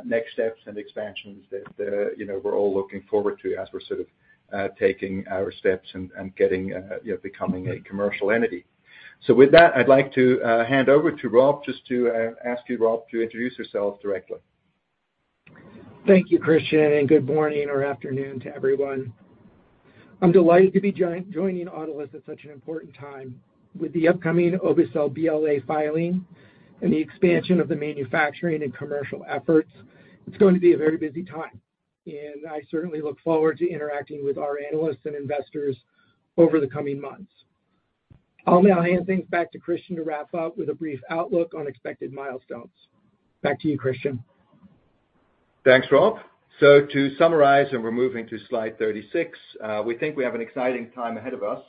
next steps and expansions that, you know, we're all looking forward to as we're sort of, taking our steps and, and getting, you know, becoming a commercial entity. With that, I'd like to hand over to Rob, just to ask you, Rob, to introduce yourself directly. Thank you, Christian. Good morning or afternoon to everyone. I'm delighted to be joining Autolus at such an important time. With the upcoming obe-cel BLA filing and the expansion of the manufacturing and commercial efforts, it's going to be a very busy time, and I certainly look forward to interacting with our analysts and investors over the coming months. I'll now hand things back to Christian to wrap up with a brief outlook on expected milestones. Back to you, Christian. Thanks, Rob. To summarize, and we're moving to slide 36, we think we have an exciting time ahead of us.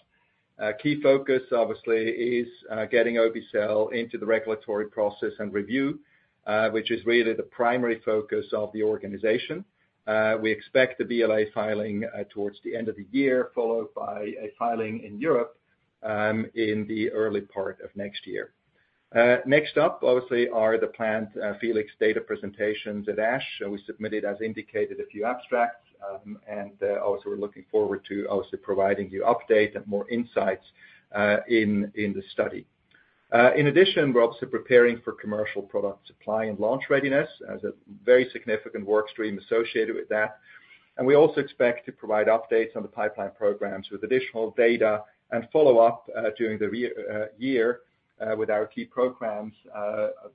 A key focus, obviously, is getting obe-cel into the regulatory process and review, which is really the primary focus of the organization. We expect the BLA filing towards the end of the year, followed by a filing in Europe, in the early part of next year. Next up, obviously, are the planned FELIX data presentations at ASH. We submitted, as indicated, a few abstracts. Also we're looking forward to also providing you update and more insights in, in the study. In addition, we're also preparing for commercial product supply and launch readiness as a very significant work stream associated with that. We also expect to provide updates on the pipeline programs with additional data and follow-up during the re year with our key programs,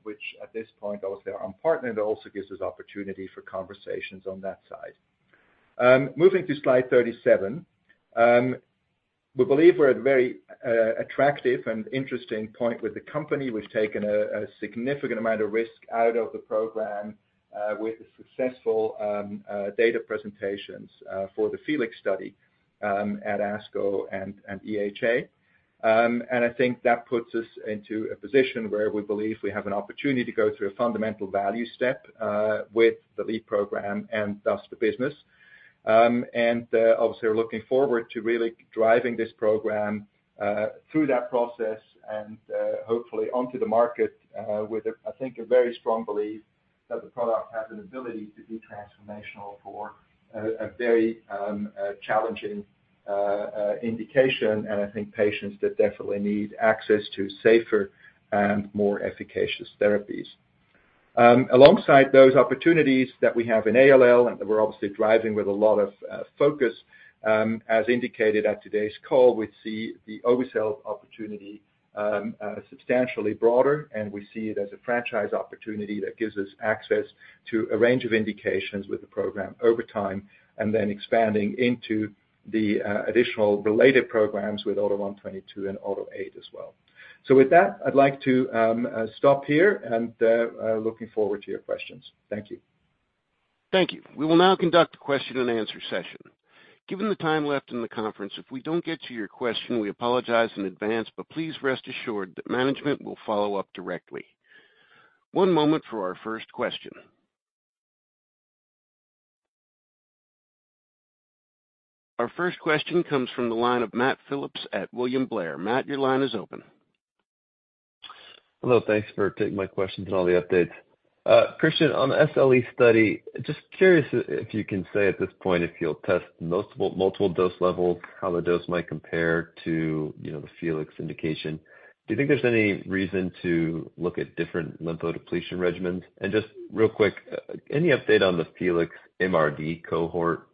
which at this point, obviously are unpartnered, also gives us opportunity for conversations on that side. Moving to slide 37. We believe we're at a very attractive and interesting point with the company. We've taken a significant amount of risk out of the program with the successful data presentations for the FELIX study at ASCO and EHA. I think that puts us into a position where we believe we have an opportunity to go through a fundamental value step with the lead program and thus the business. Obviously, we're looking forward to really driving this program through that process and hopefully onto the market with a, I think, a very strong belief that the product has an ability to be transformational for a very challenging indication and I think patients that definitely need access to safer and more efficacious therapies. Alongside those opportunities that we have in ALL, and that we're obviously driving with a lot of focus, as indicated at today's call, we see the obe-cel opportunity substantially broader, and we see it as a franchise opportunity that gives us access to a range of indications with the program over time, and then expanding into the additional related programs with AUTO1/22 and AUTO8 as well. With that, I'd like to stop here, and I looking forward to your questions. Thank you. Thank you. We will now conduct a question-and-answer session. Given the time left in the conference, if we don't get to your question, we apologize in advance, but please rest assured that management will follow up directly. One moment for our first question. Our first question comes from the line of Matt Phillips at William Blair. Matt, your line is open. Hello, thanks for taking my questions and all the updates. Christian, on the SLE study, just curious if you can say at this point if you'll test multiple, multiple dose levels, how the dose might compare to, you know, the FELIX indication. Do you think there's any reason to look at different lymphodepletion regimens? Just real quick, any update on the FELIX MRD cohort,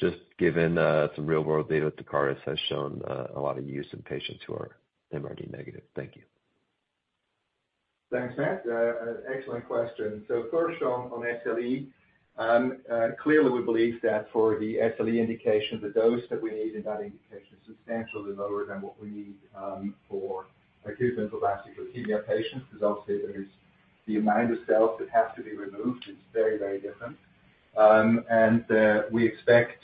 just given some real world data Tecartus has shown a lot of use in patients who are MRD negative? Thank you. Thanks, Matt. An excellent question. First on, on SLE, clearly, we believe that for the SLE indication, the dose that we need in that indication is substantially lower than what we need for acute lymphoblastic leukemia patients, because obviously there is the amount of cells that have to be removed is very, very different. We expect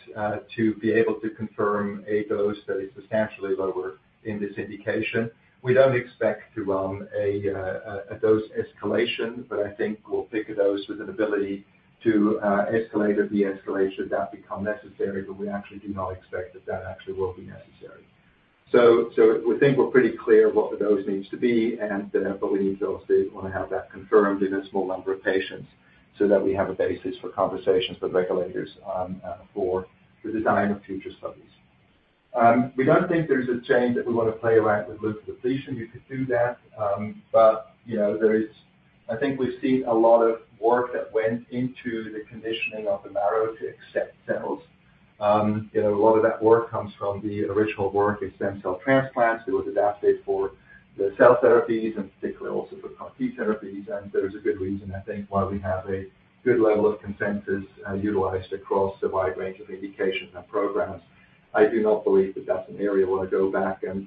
to be able to confirm a dose that is substantially lower in this indication. We don't expect to run a dose escalation, but I think we'll pick a dose with an ability to escalate if the escalation does become necessary, but we actually do not expect that that actually will be necessary. We think we're pretty clear what the dose needs to be, and, but we obviously want to have that confirmed in a small number of patients so that we have a basis for conversations with regulators, for the design of future studies. We don't think there's a chain that we want to play around with lymph depletion. We could do that, but, you know, I think we've seen a lot of work that went into the conditioning of the marrow to accept cells. You know, a lot of that work comes from the original work in stem cell transplants. It was adapted for the cell therapies and particularly also for CAR T therapies. There's a good reason, I think, why we have a good level of consensus utilized across a wide range of indications and programs. I do not believe that that's an area I want to go back and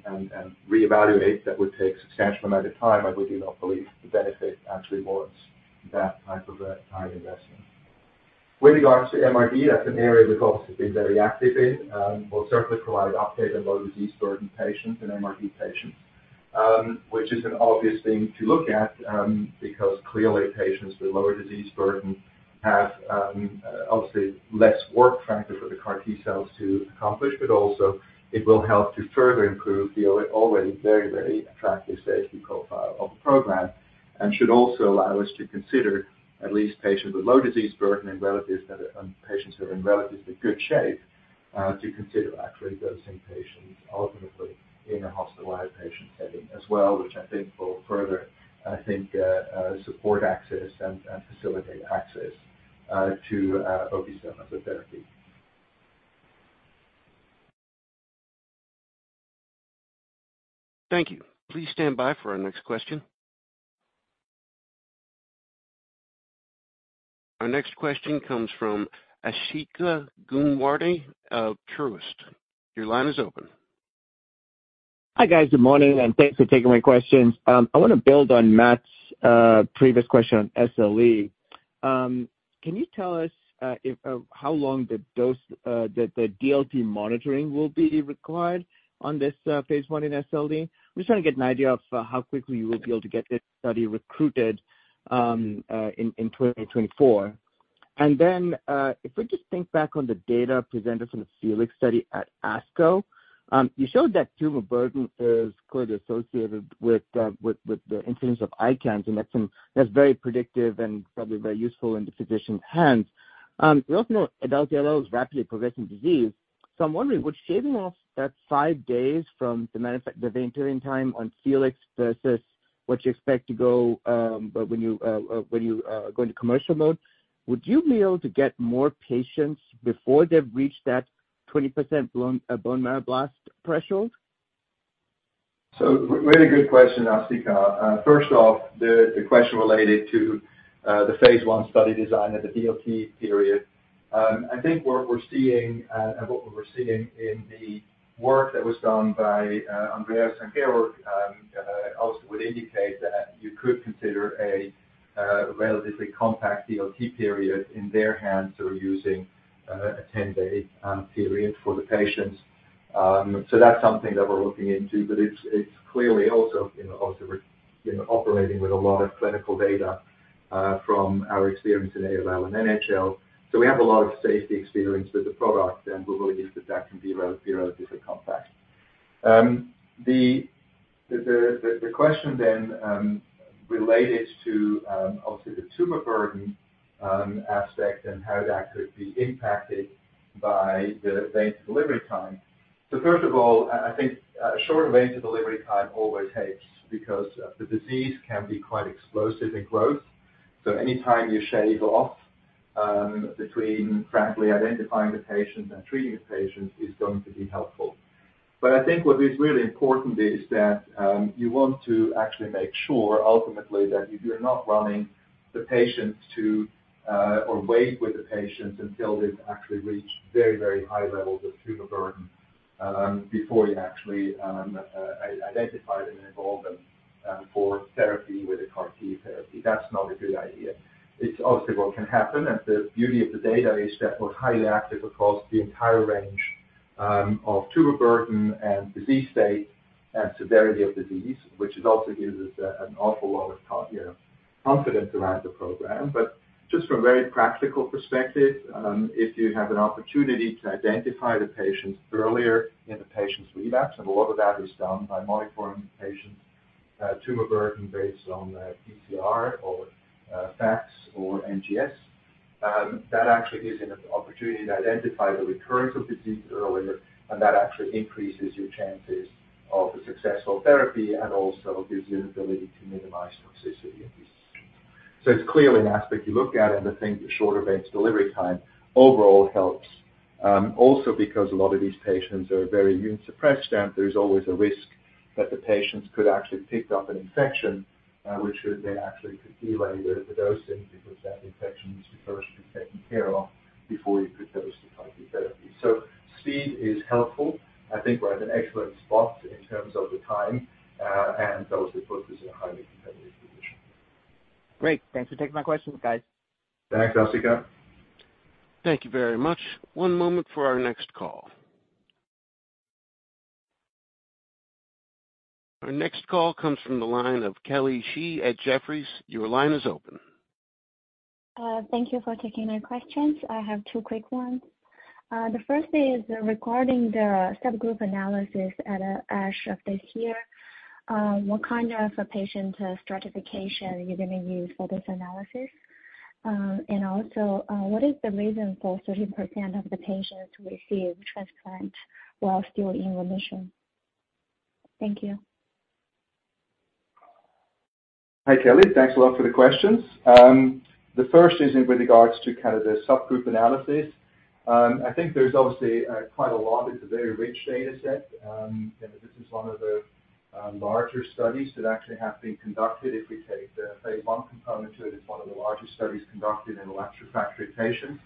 reevaluate. That would take a substantial amount of time. I would do not believe the benefit actually warrants that type of time investment. With regards to MRD, that's an area we've also been very active in, and we'll certainly provide an update on low disease burden patients and MRD patients, which is an obvious thing to look at, because clearly patients with lower disease burden have, obviously less work factor for the CAR T cells to accomplish, but also it will help to further improve the already very, very attractive safety profile of the program, and should also allow us to consider at least patients with low disease burden and relatives, and patients who are in relatively good shape, to consider actually dosing patients, ultimately in a hospitalized patient setting as well, which I think will further, I think, support access and, and facilitate access, to obe-cel therapy. Thank you. Please stand by for our next question. Our next question comes from Asthika Goonewardene of Truist. Your line is open. Hi, guys. Good morning, and thanks for taking my questions. I want to build on Matt's previous question on SLE. Can you tell us if how long the dose, the DLT monitoring will be required on this phase I in SLE? I'm just trying to get an idea of how quickly you will be able to get this study recruited in 2024. If we just think back on the data presented from the FELIX study at ASCO, you showed that tumor burden is clearly associated with, with the incidence of ICANS, and that's very predictive and probably very useful in the physician's hands. We also know adult ALL is rapidly progressing disease. I'm wondering, would shaving off that five days from the vein-to-vein time on FELIX versus what you expect to go, when you go into commercial mode, would you be able to get more patients before they've reached that 20% bone marrow blast threshold? Really good question, Asthika. First off, the question related to the phase I study design and the DLT period. I think what we're seeing, and what we were seeing in the work that was done by Andreas and Georg, also would indicate that you could consider a relatively compact DLT period. In their hands, they were using a 10-day period for the patients. That's something that we're looking into, but it's, it's clearly also, you know, operating with a lot of clinical data from our experience in ALL and NHL. We have a lot of safety experience with the product, and we believe that that can be relatively compact. The, the, the, the question then related to obviously the tumor burden aspect and how that could be impacted by the vein delivery time. First of all, I, I think a shorter vein to delivery time always helps because the disease can be quite explosive in growth. Any time you shave off between frankly identifying the patient and treating the patient is going to be helpful. I think what is really important is that you want to actually make sure ultimately that you're not running the patients to or wait with the patients until they've actually reached very, very high levels of tumor burden. Before you actually identify them and enroll them for therapy with the CAR T therapy, that's not a good idea. It's obviously what can happen, and the beauty of the data is that we're highly active across the entire range, of tumor burden and disease state and severity of disease, which is also gives us, an awful lot of con- you know, confidence around the program. Just from a very practical perspective, if you have an opportunity to identify the patients earlier in the patient's relapse, and a lot of that is done by monitoring the patient's, tumor burden based on, PCR or, FACS or NGS, that actually gives you an opportunity to identify the recurrence of disease earlier, and that actually increases your chances of a successful therapy and also gives you the ability to minimize toxicity and disease. It's clearly an aspect you look at, and I think the shorter veins delivery time overall helps. Also, because a lot of these patients are very immune suppressed, and there's always a risk that the patients could actually pick up an infection, which should then actually could delay the, the dosing because that infection needs to first be taken care of before you could dose the CAR T therapy. Speed is helpful. I think we're at an excellent spot in terms of the time, and those reports are in a highly competitive position. Great. Thanks for taking my questions, guys. Thanks, Asthika. Thank you very much. One moment for our next call. Our next call comes from the line of Kelly Shi at Jefferies. Your line is open. Thank you for taking my questions. I have two quick ones. The first is regarding the subgroup analysis at ASH of this year. What kind of a patient stratification are you going to use for this analysis? And also, what is the reason for 30% of the patients receiving transplant while still in remission? Thank you. Hi, Kelly. Thanks a lot for the questions. The first is with regards to kind of the subgroup analysis. I think there's obviously quite a lot. It's a very rich data set. This is one of the larger studies that actually have been conducted. If we take the phase I component to it, it's one of the largest studies conducted in relapsed refractory patients.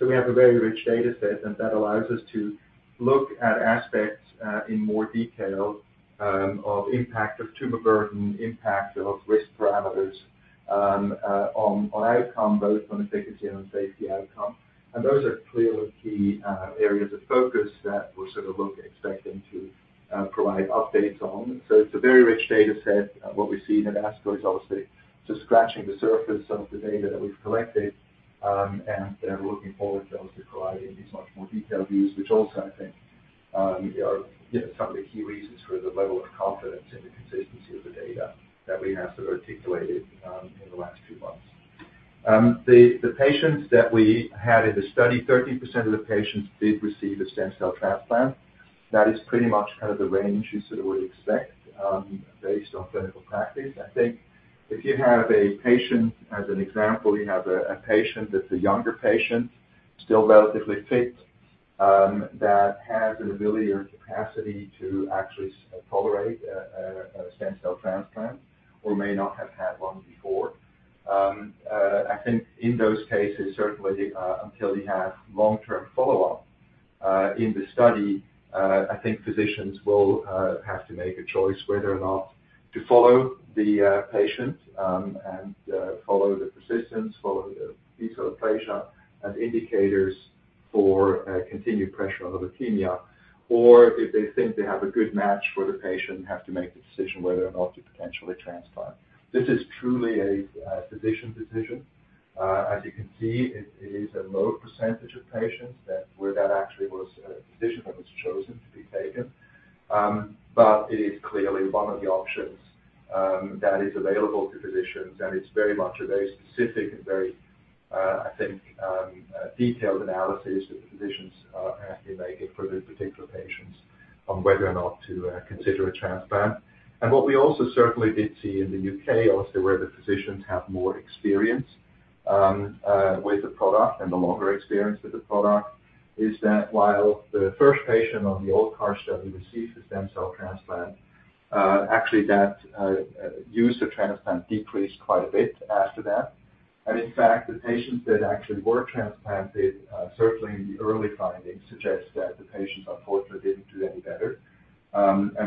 We have a very rich data set, and that allows us to look at aspects in more detail of impact of tumor burden, impact of risk parameters on outcome, both on efficacy and on safety outcome. Those are clearly key areas of focus that we're sort of expecting to provide updates on. It's a very rich data set. What we see in ASCO is obviously just scratching the surface of the data that we've collected, and we're looking forward to obviously providing these much more detailed views, which also, I think, are, you know, some of the key reasons for the level of confidence in the consistency of the data that we have sort of articulated in the last few months. The patients that we had in the study, 13% of the patients did receive a stem cell transplant. That is pretty much kind of the range you sort of would expect based on clinical practice. I think if you have a patient, as an example, you have a, a patient that's a younger patient, still relatively fit, that has an ability or capacity to actually tolerate a stem cell transplant or may not have had one before. I think in those cases, certainly, until we have long-term follow-up, in the study, I think physicians will have to make a choice whether or not to follow the patient, and follow the persistence, follow the cytopenia as indicators for continued pressure on the leukemia, or if they think they have a good match for the patient, have to make the decision whether or not to potentially transplant. This is truly a physician decision. As you can see, it is a low percentage of patients that, where that actually was a decision that was chosen to be taken. It is clearly one of the options that is available to physicians, and it's very much a very specific and very, I think, detailed analysis that the physicians have to make for the particular patients on whether or not to consider a transplant. What we also certainly did see in the U.K., obviously, where the physicians have more experience with the product and the longer experience with the product, is that while the first patient on the old CAR study received a stem cell transplant, actually, that use of transplant decreased quite a bit after that. In fact, the patients that actually were transplanted, certainly in the early findings, suggest that the patients, unfortunately, didn't do any better.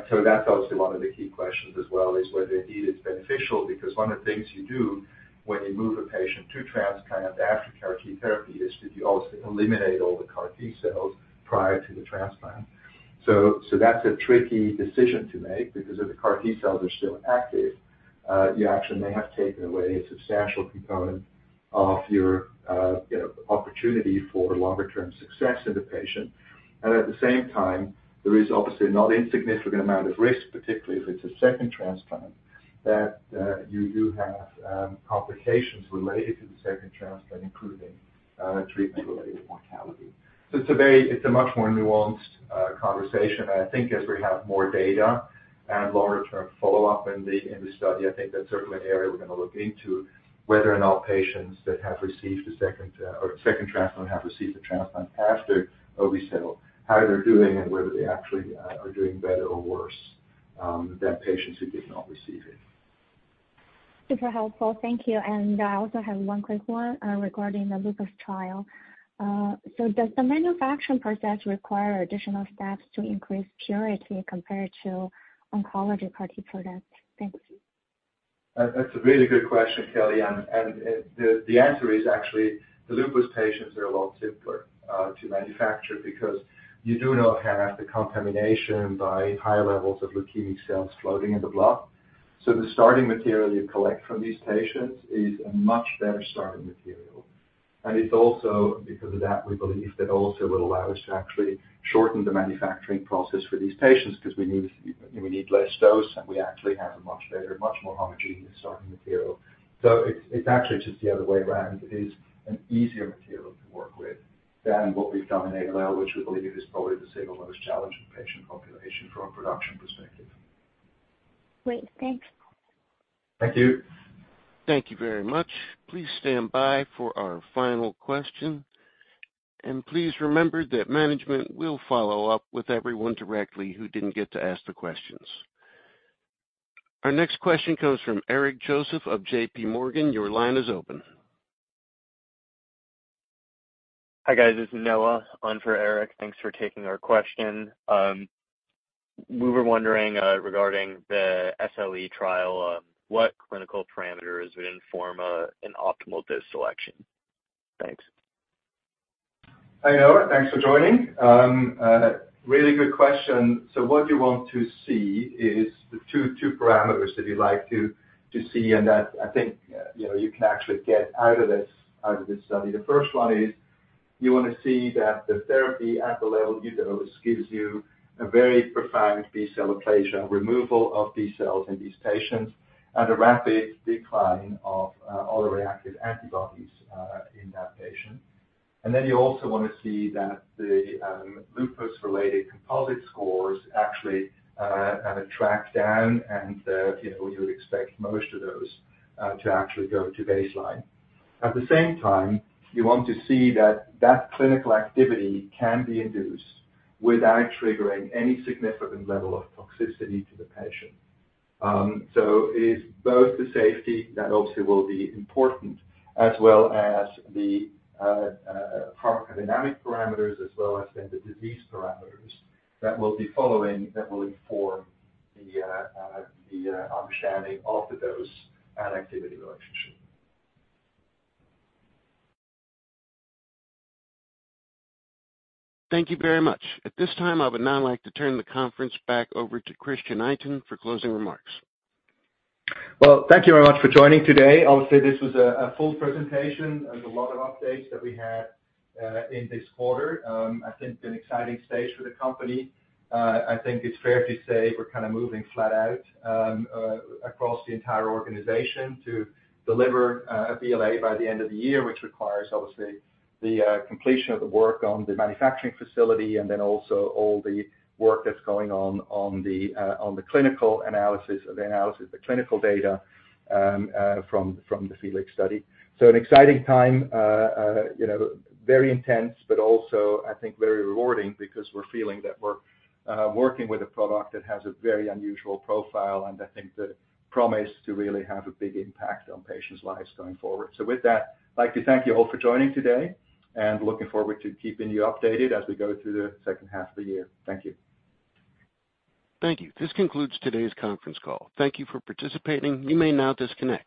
So that's obviously one of the key questions as well, is whether indeed it's beneficial because one of the things you do when you move a patient to transplant after CAR T therapy is that you also eliminate all the CAR T cells prior to the transplant. That's a tricky decision to make because if the CAR T cells are still active, you actually may have taken away a substantial component of your, you know, opportunity for longer term success in the patient. At the same time, there is obviously a not insignificant amount of risk, particularly if it's a second transplant, that you do have complications related to the second transplant, including treatment-related mortality. It's a very, it's a much more nuanced conversation. I think as we have more data and longer-term follow-up in the, in the study, I think that's certainly an area we're going to look into, whether or not patients that have received a second, or second transplant, have received a transplant after obe-cel, how they're doing, and whether they actually are doing better or worse than patients who did not receive it. Super helpful. Thank you. I also have one quick one, regarding the lupus trial. Does the manufacturing process require additional steps to increase purity compared to oncology CAR T product? Thanks. That, that's a really good question, Kelly. The answer is actually, the lupus patients are a lot simpler to manufacture because you do not have the contamination by high levels of leukemic cells floating in the blood. The starting material you collect from these patients is a much better starting material. It's also because of that, we believe, that also will allow us to actually shorten the manufacturing process for these patients because we need, we need less dose, and we actually have a much better, much more homogeneous starting material. It's, it's actually just the other way around. It is an easier material to work with than what we've done in ALL, which we believe is probably the single most challenging patient population from a production perspective. Great. Thanks. Thank you. Thank you very much. Please stand by for our final question, and please remember that management will follow up with everyone directly who didn't get to ask the questions. Our next question comes from Eric Joseph of JPMorgan. Your line is open. Hi, guys. This is Noah on for Eric. Thanks for taking our question. We were wondering regarding the SLE trial, what clinical parameters would inform an optimal dose selection? Thanks. Hi, Noah. Thanks for joining. Really good question. What you want to see is the two, two parameters that you'd like to, to see, and that I think, you know, you can actually get out of this study. The first one is, you want to see that the therapy at the level you dose gives you a very profound B-cell aplasia, removal of B-cells in these patients, and a rapid decline of autoreactive antibodies in that patient. You also want to see that the Lupus-related composite scores actually kind of track down and that, you know, you would expect most of those to actually go to baseline. At the same time, you want to see that, that clinical activity can be induced without triggering any significant level of toxicity to the patient. It's both the safety that also will be important, as well as the pharmacodynamic parameters, as well as then the disease parameters that we'll be following, that will inform the understanding of the dose and activity relationship. Thank you very much. At this time, I would now like to turn the conference back over to Christian Itin for closing remarks. Well, thank you very much for joining today. Obviously, this was a full presentation. There's a lot of updates that we had in this quarter. I think an exciting stage for the company. I think it's fair to say we're kind of moving flat out across the entire organization to deliver a BLA by the end of the year, which requires obviously, the completion of the work on the manufacturing facility, and then also all the work that's going on, on the clinical analysis, the analysis, the clinical data, from the FELIX study. An exciting time, you know, very intense, but also I think very rewarding because we're feeling that we're working with a product that has a very unusual profile, and I think that promise to really have a big impact on patients' lives going forward. With that, I'd like to thank you all for joining today, and looking forward to keeping you updated as we go through the second half of the year. Thank you. Thank you. This concludes today's conference call. Thank you for participating. You may now disconnect.